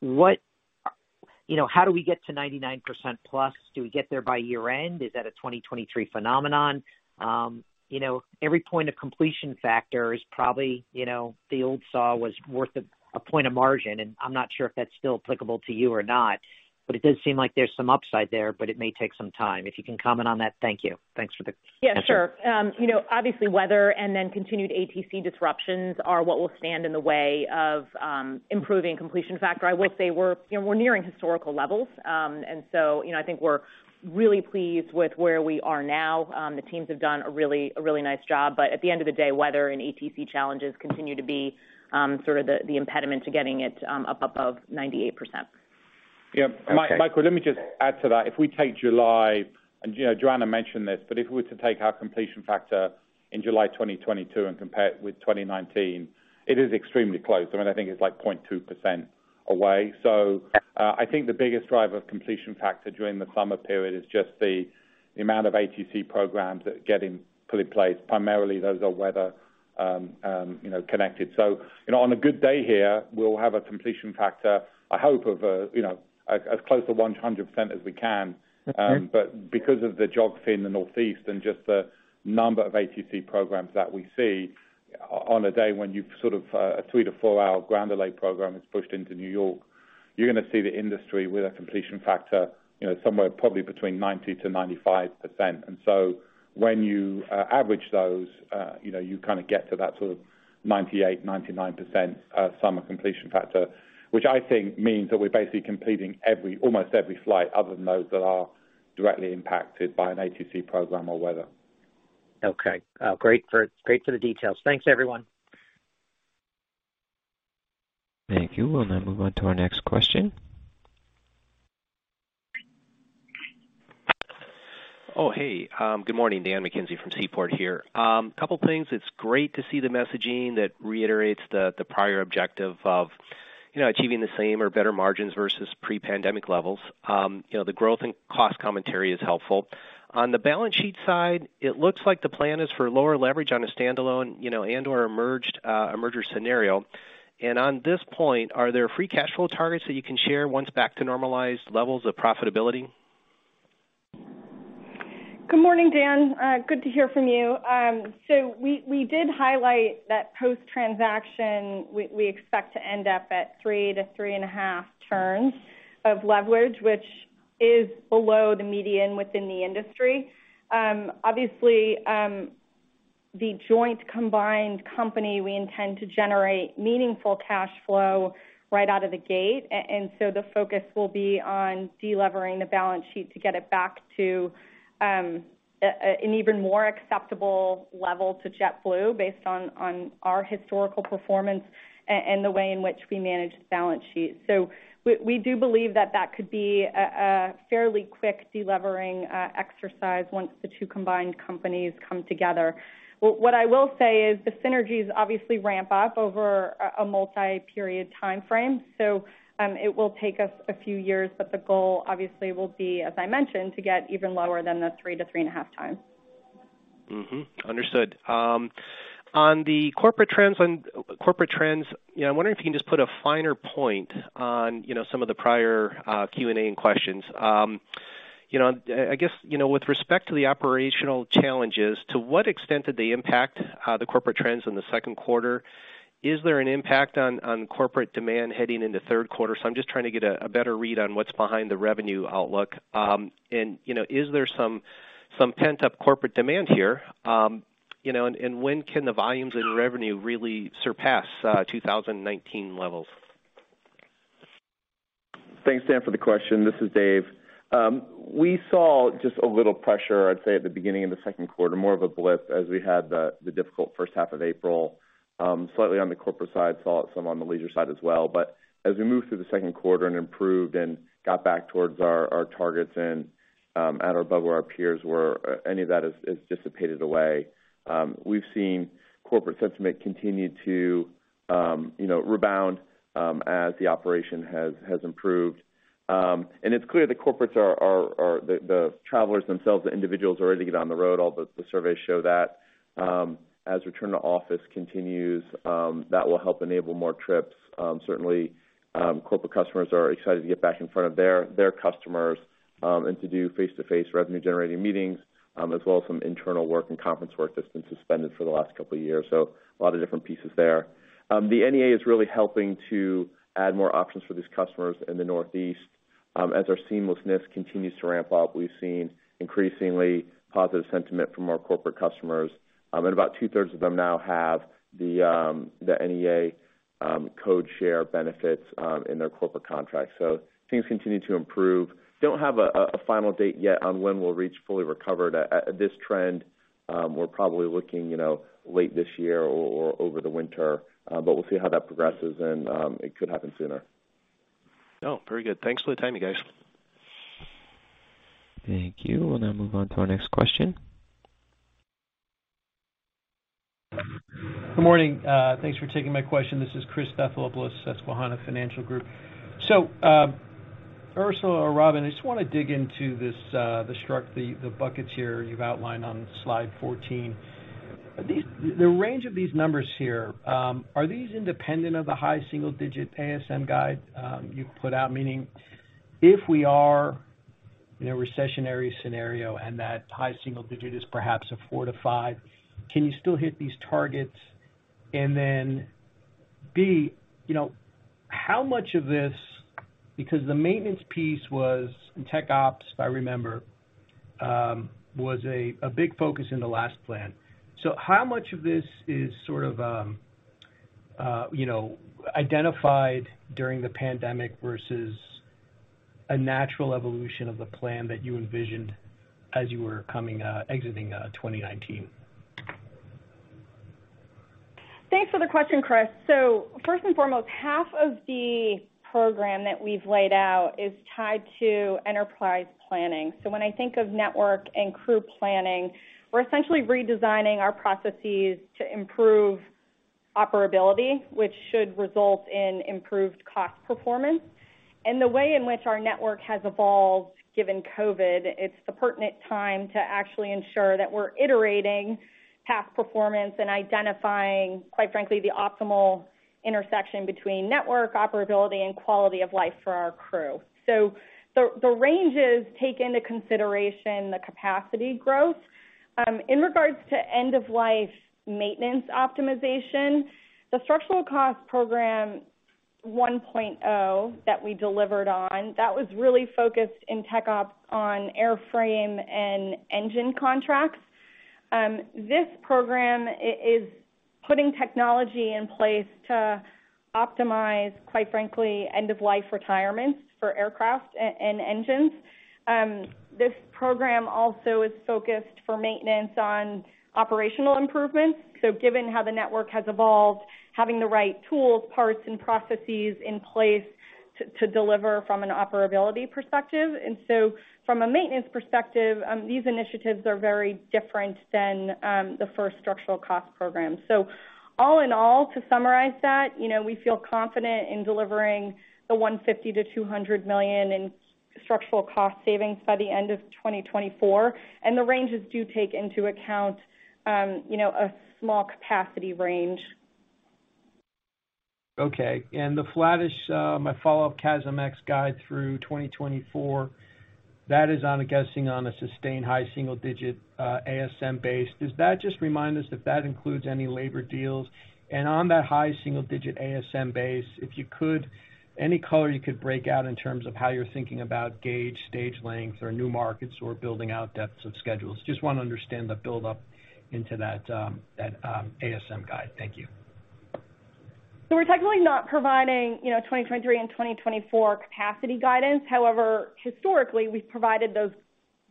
You know, how do we get to 99% plus? Do we get there by year-end? Is that a 2023 phenomenon? You know, every point of completion factor is probably, you know, the old saw was worth a point of margin, and I'm not sure if that's still applicable to you or not. It does seem like there's some upside there, but it may take some time. If you can comment on that. Thank you. Thanks for the- Yeah, sure. Obviously weather and then continued ATC disruptions are what will stand in the way of improving completion factor. I would say we're nearing historical levels. I think we're really pleased with where we are now. The teams have done a really nice job. At the end of the day, weather and ATC challenges continue to be sort of the impediment to getting it up above 98%. Yeah. Okay. Michael, let me just add to that. If we take July, and, you know, Joanna mentioned this, but if we were to take our completion factor in July 2022 and compare it with 2019, it is extremely close. I mean, I think it's like 0.2%. Okay. I think the biggest driver of completion factor during the summer period is just the amount of ATC programs that get put in place. Primarily, those are weather connected. You know, on a good day here, we'll have a completion factor, I hope of, you know, as close to 100 as we can. Okay. Because of the jobs here in the Northeast and just the number of ATC programs that we see, on a day when you sort of a 3-4-hour ground delay program is pushed into New York, you're gonna see the industry with a completion factor, you know, somewhere probably between 90%-95%. When you average those, you know, you kind of get to that sort of 98%-99% summer completion factor. Which I think means that we're basically completing almost every flight other than those that are directly impacted by an ATC program or weather. Okay. Great for the details. Thanks, everyone. Thank you. We'll now move on to our next question. Good morning. Dan McKenzie from Seaport here. Couple things. It's great to see the messaging that reiterates the prior objective of, you know, achieving the same or better margins versus pre-pandemic levels. You know, the growth and cost commentary is helpful. On the balance sheet side, it looks like the plan is for lower leverage on a standalone, you know, and/or a merger scenario. On this point, are there free cash flow targets that you can share once back to normalized levels of profitability? Good morning, Dan. Good to hear from you. We did highlight that post-transaction, we expect to end up at 3-3.5 turns of leverage, which is below the median within the industry. Obviously, the joint combined company, we intend to generate meaningful cash flow right out of the gate. The focus will be on delevering the balance sheet to get it back to an even more acceptable level to JetBlue based on our historical performance and the way in which we manage the balance sheet. We do believe that that could be a fairly quick delevering exercise once the two combined companies come together. What I will say is the synergies obviously ramp up over a multi-period time frame, so it will take us a few years, but the goal obviously will be, as I mentioned, to get even lower than the 3-3.5 times. Mm-hmm. Understood. On the corporate trends, you know, I'm wondering if you can just put a finer point on, you know, some of the prior Q&A questions. You know, I guess, with respect to the operational challenges, to what extent did they impact the corporate trends in the second quarter? Is there an impact on corporate demand heading into third quarter? I'm just trying to get a better read on what's behind the revenue outlook. And, you know, is there some pent-up corporate demand here? You know, and when can the volumes in revenue really surpass 2019 levels? Thanks, Dan, for the question. This is Dave. We saw just a little pressure, I'd say, at the beginning of the second quarter, more of a blip as we had the difficult first half of April, slightly on the corporate side, saw it some on the leisure side as well. As we moved through the second quarter and improved and got back towards our targets and at above where our peers were, any of that has dissipated away. We've seen corporate sentiment continue to, you know, rebound, as the operation has improved. It's clear the corporates are the travelers themselves, the individuals are ready to get on the road. All the surveys show that. As return to office continues, that will help enable more trips. Certainly, corporate customers are excited to get back in front of their customers, and to do face-to-face revenue-generating meetings, as well as some internal work and conference work that's been suspended for the last couple of years. A lot of different pieces there. The NEA is really helping to add more options for these customers in the Northeast. As our seamlessness continues to ramp up, we've seen increasingly positive sentiment from our corporate customers, and about two-thirds of them now have the NEA code share benefits in their corporate contracts. Things continue to improve. Don't have a final date yet on when we'll reach fully recovered. At this trend, we're probably looking, you know, late this year or over the winter, but we'll see how that progresses, and it could happen sooner. Oh, very good. Thanks for the time, you guys. Thank you. We'll now move on to our next question. Good morning. Thanks for taking my question. This is Christopher Custureri with Susquehanna Financial Group. Ursula or Robin, I just wanna dig into this, the buckets here you've outlined on slide 14. The range of these numbers here, are these independent of the high single digit ASM guide you put out? Meaning if we are in a recessionary scenario and that high single digit is perhaps a 4-5, can you still hit these targets? And then B, you know, how much of this? Because the maintenance piece was in tech ops, if I remember, was a big focus in the last plan. How much of this is sort of, you know, identified during the pandemic versus a natural evolution of the plan that you envisioned as you were coming, exiting, 2019? Thanks for the question, Chris. First and foremost, half of the program that we've laid out is tied to enterprise planning. When I think of network and crew planning, we're essentially redesigning our processes to improve operability, which should result in improved cost performance. The way in which our network has evolved, given COVID, it's the pertinent time to actually ensure that we're iterating past performance and identifying, quite frankly, the optimal intersection between network operability and quality of life for our crew. The ranges take into consideration the capacity growth. In regards to end-of-life maintenance optimization, the structural cost program 1.0 that we delivered on, that was really focused in Tech Ops on airframe and engine contracts. This program is putting technology in place to optimize, quite frankly, end-of-life retirements for aircraft and engines. This program also is focused for maintenance on operational improvements. Given how the network has evolved, having the right tools, parts, and processes in place to deliver from an operability perspective. From a maintenance perspective, these initiatives are very different than the first structural cost program. All in all, to summarize that, you know, we feel confident in delivering the $150 million-$200 million in structural cost savings by the end of 2024, and the ranges do take into account, you know, a small capacity range. Okay. The flattish my follow-up CASM ex guide through 2024, that is on a sustained high single digit ASM base. Does that just remind us if that includes any labor deals? On that high single digit ASM base, if you could, any color you could break out in terms of how you're thinking about gauge, stage length, or new markets, or building out depths of schedules. Just wanna understand the buildup into that ASM guide. Thank you. We're technically not providing, you know, 2023 and 2024 capacity guidance. However, historically, we've provided those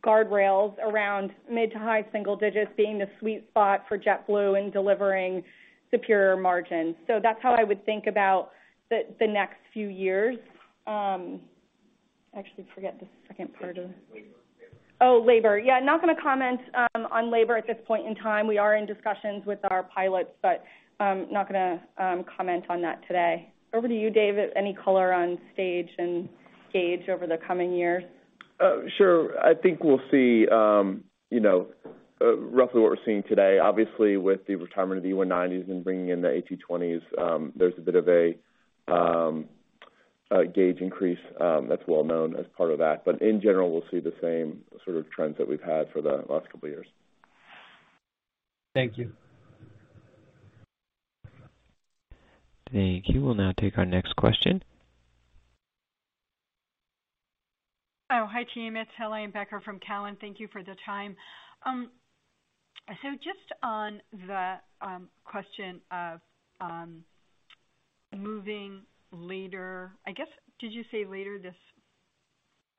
guardrails around mid- to high-single digits% being the sweet spot for JetBlue in delivering superior margins. That's how I would think about the next few years. I actually forget the second part of. Oh, labor. Yeah, I'm not gonna comment on labor at this point in time. We are in discussions with our pilots, but not gonna comment on that today. Over to you, Dave, any color on stage and gauge over the coming years? Sure. I think we'll see, you know, roughly what we're seeing today. Obviously, with the retirement of the E190s and bringing in the A220s, there's a bit of a gauge increase, that's well known as part of that. In general, we'll see the same sort of trends that we've had for the last couple of years. Thank you. Thank you. We'll now take our next question. Oh, hi, team. It's Helane Becker from Cowen. Thank you for the time. So just on the question of moving later, I guess, did you say later this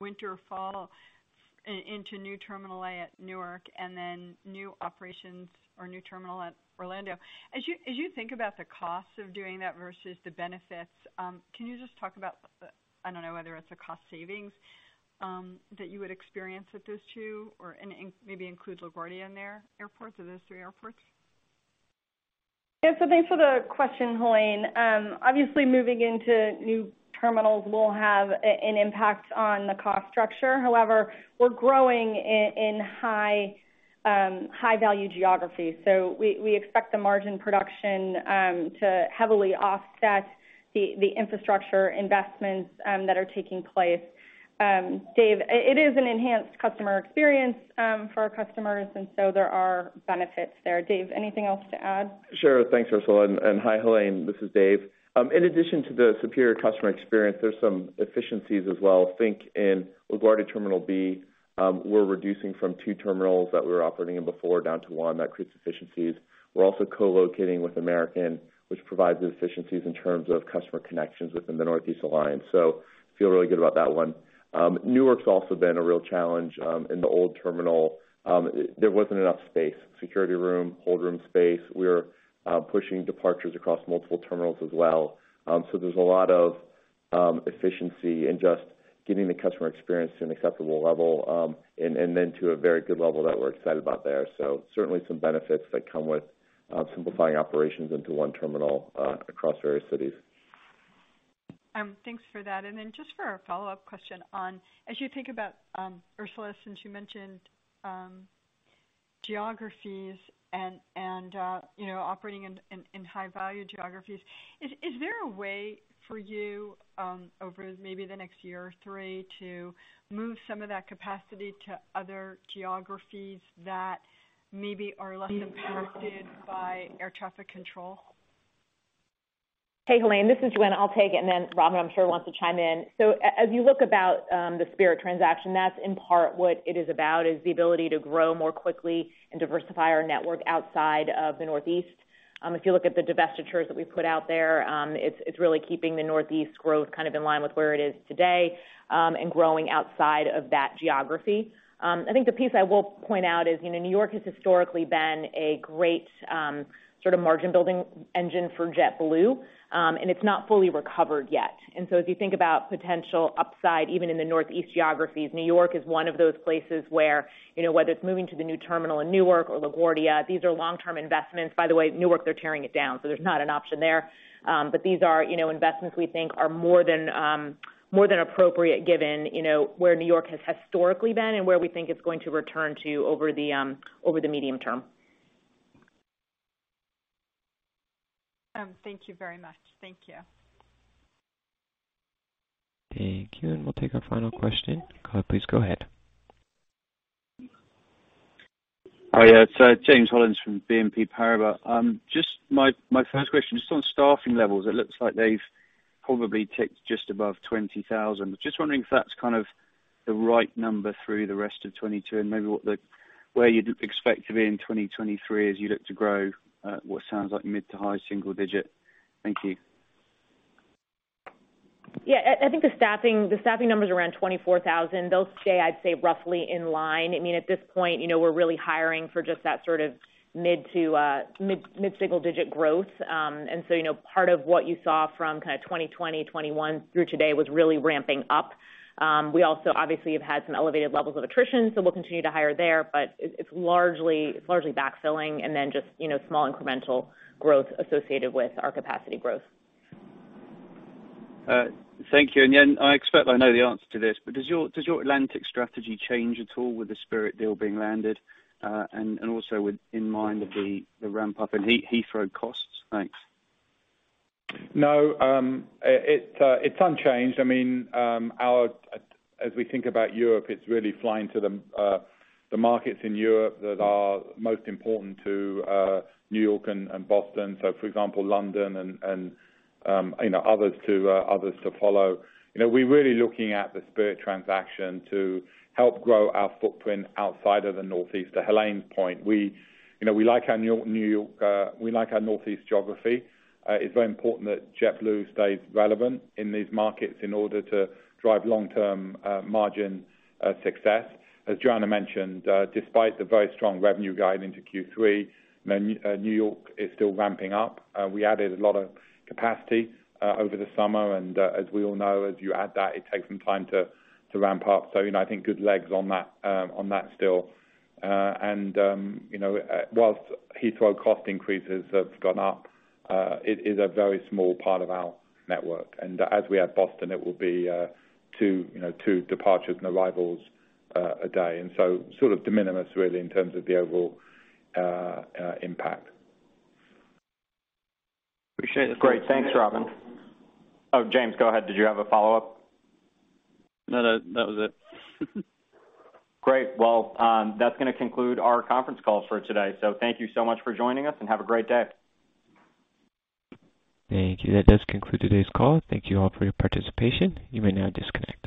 winter or fall into new Terminal A at Newark and then new operations or new terminal at Orlando? As you think about the cost of doing that versus the benefits, can you just talk about the, I don't know, whether it's a cost savings that you would experience at those two or and maybe include LaGuardia in there, airports, so those three airports? Yeah. Thanks for the question, Helane. Obviously, moving into new terminals will have an impact on the cost structure. However, we're growing in high-value geographies. We expect the margin expansion to heavily offset the infrastructure investments that are taking place. Dave, it is an enhanced customer experience for our customers, and there are benefits there. Dave, anything else to add? Sure. Thanks, Ursula. Hi, Helane. This is Dave. In addition to the superior customer experience, there's some efficiencies as well. Think in LaGuardia Terminal B, we're reducing from two terminals that we were operating in before down to one. That creates efficiencies. We're also co-locating with American, which provides the efficiencies in terms of customer connections within the Northeast Alliance. Feel really good about that one. Newark's also been a real challenge, in the old terminal, there wasn't enough space, security room, hold room space. We're pushing departures across multiple terminals as well. There's a lot of efficiency in just getting the customer experience to an acceptable level, and then to a very good level that we're excited about there. Certainly some benefits that come with simplifying operations into one terminal across various cities. Thanks for that. Just for a follow-up question on, as you think about Ursula, since you mentioned geographies and you know, operating in high-value geographies, is there a way for you over maybe the next year or three to move some of that capacity to other geographies that maybe are less impacted by air traffic control? Hey, Helane, this is Gwen. I'll take it, and then Robbie, I'm sure, wants to chime in. As you look about the Spirit transaction, that's in part what it is about, is the ability to grow more quickly and diversify our network outside of the Northeast. If you look at the divestitures that we've put out there, it's really keeping the Northeast growth kind of in line with where it is today, and growing outside of that geography. I think the piece I will point out is, you know, New York has historically been a great sort of margin-building engine for JetBlue, and it's not fully recovered yet. If you think about potential upside, even in the Northeast geographies, New York is one of those places where, you know, whether it's moving to the new terminal in Newark or LaGuardia, these are long-term investments. By the way, Newark, they're tearing it down, so there's not an option there. These are, you know, investments we think are more than appropriate given, you know, where New York has historically been and where we think it's going to return to over the medium term. Thank you very much. Thank you. Thank you. We'll take our final question. Please go ahead. Yeah. It's James Hollins from BNP Paribas. Just my first question is on staffing levels. It looks like they've probably ticked just above 20,000. Just wondering if that's kind of the right number through the rest of 2022 and maybe where you'd expect to be in 2023 as you look to grow at what sounds like mid- to high-single-digit %. Thank you. Yeah, I think the staffing numbers around 24,000, they'll stay, I'd say, roughly in line. I mean, at this point, you know, we're really hiring for just that sort of mid to mid-single digit growth. You know, part of what you saw from kind of 2020, 2021 through today was really ramping up. We also obviously have had some elevated levels of attrition, so we'll continue to hire there. It's largely backfilling and then just, you know, small incremental growth associated with our capacity growth. Thank you. Yeah, I expect I know the answer to this, but does your Atlantic strategy change at all with the Spirit deal being landed, and also with an eye to the ramp up in Heathrow costs? Thanks. No, it's unchanged. I mean, as we think about Europe, it's really flying to the markets in Europe that are most important to New York and Boston, you know, others to follow. You know, we're really looking at the Spirit transaction to help grow our footprint outside of the Northeast. To Helane's point, we, you know, we like our New York, we like our Northeast geography. It's very important that JetBlue stays relevant in these markets in order to drive long-term margin success. As Joanna mentioned, despite the very strong revenue guide into Q3, New York is still ramping up. We added a lot of capacity over the summer and, as we all know, as you add that, it takes some time to ramp up. You know, I think good legs on that still. You know, while Heathrow cost increases have gone up, it is a very small part of our network. As we add Boston, it will be two, you know, two departures and arrivals a day. Sort of de minimis really in terms of the overall impact. Appreciate it. Great. Thanks, Robin. Oh, James, go ahead. Did you have a follow-up? No, that was it. Great. Well, that's gonna conclude our conference call for today. Thank you so much for joining us and have a great day. Thank you. That does conclude today's call. Thank you all for your participation. You may now disconnect.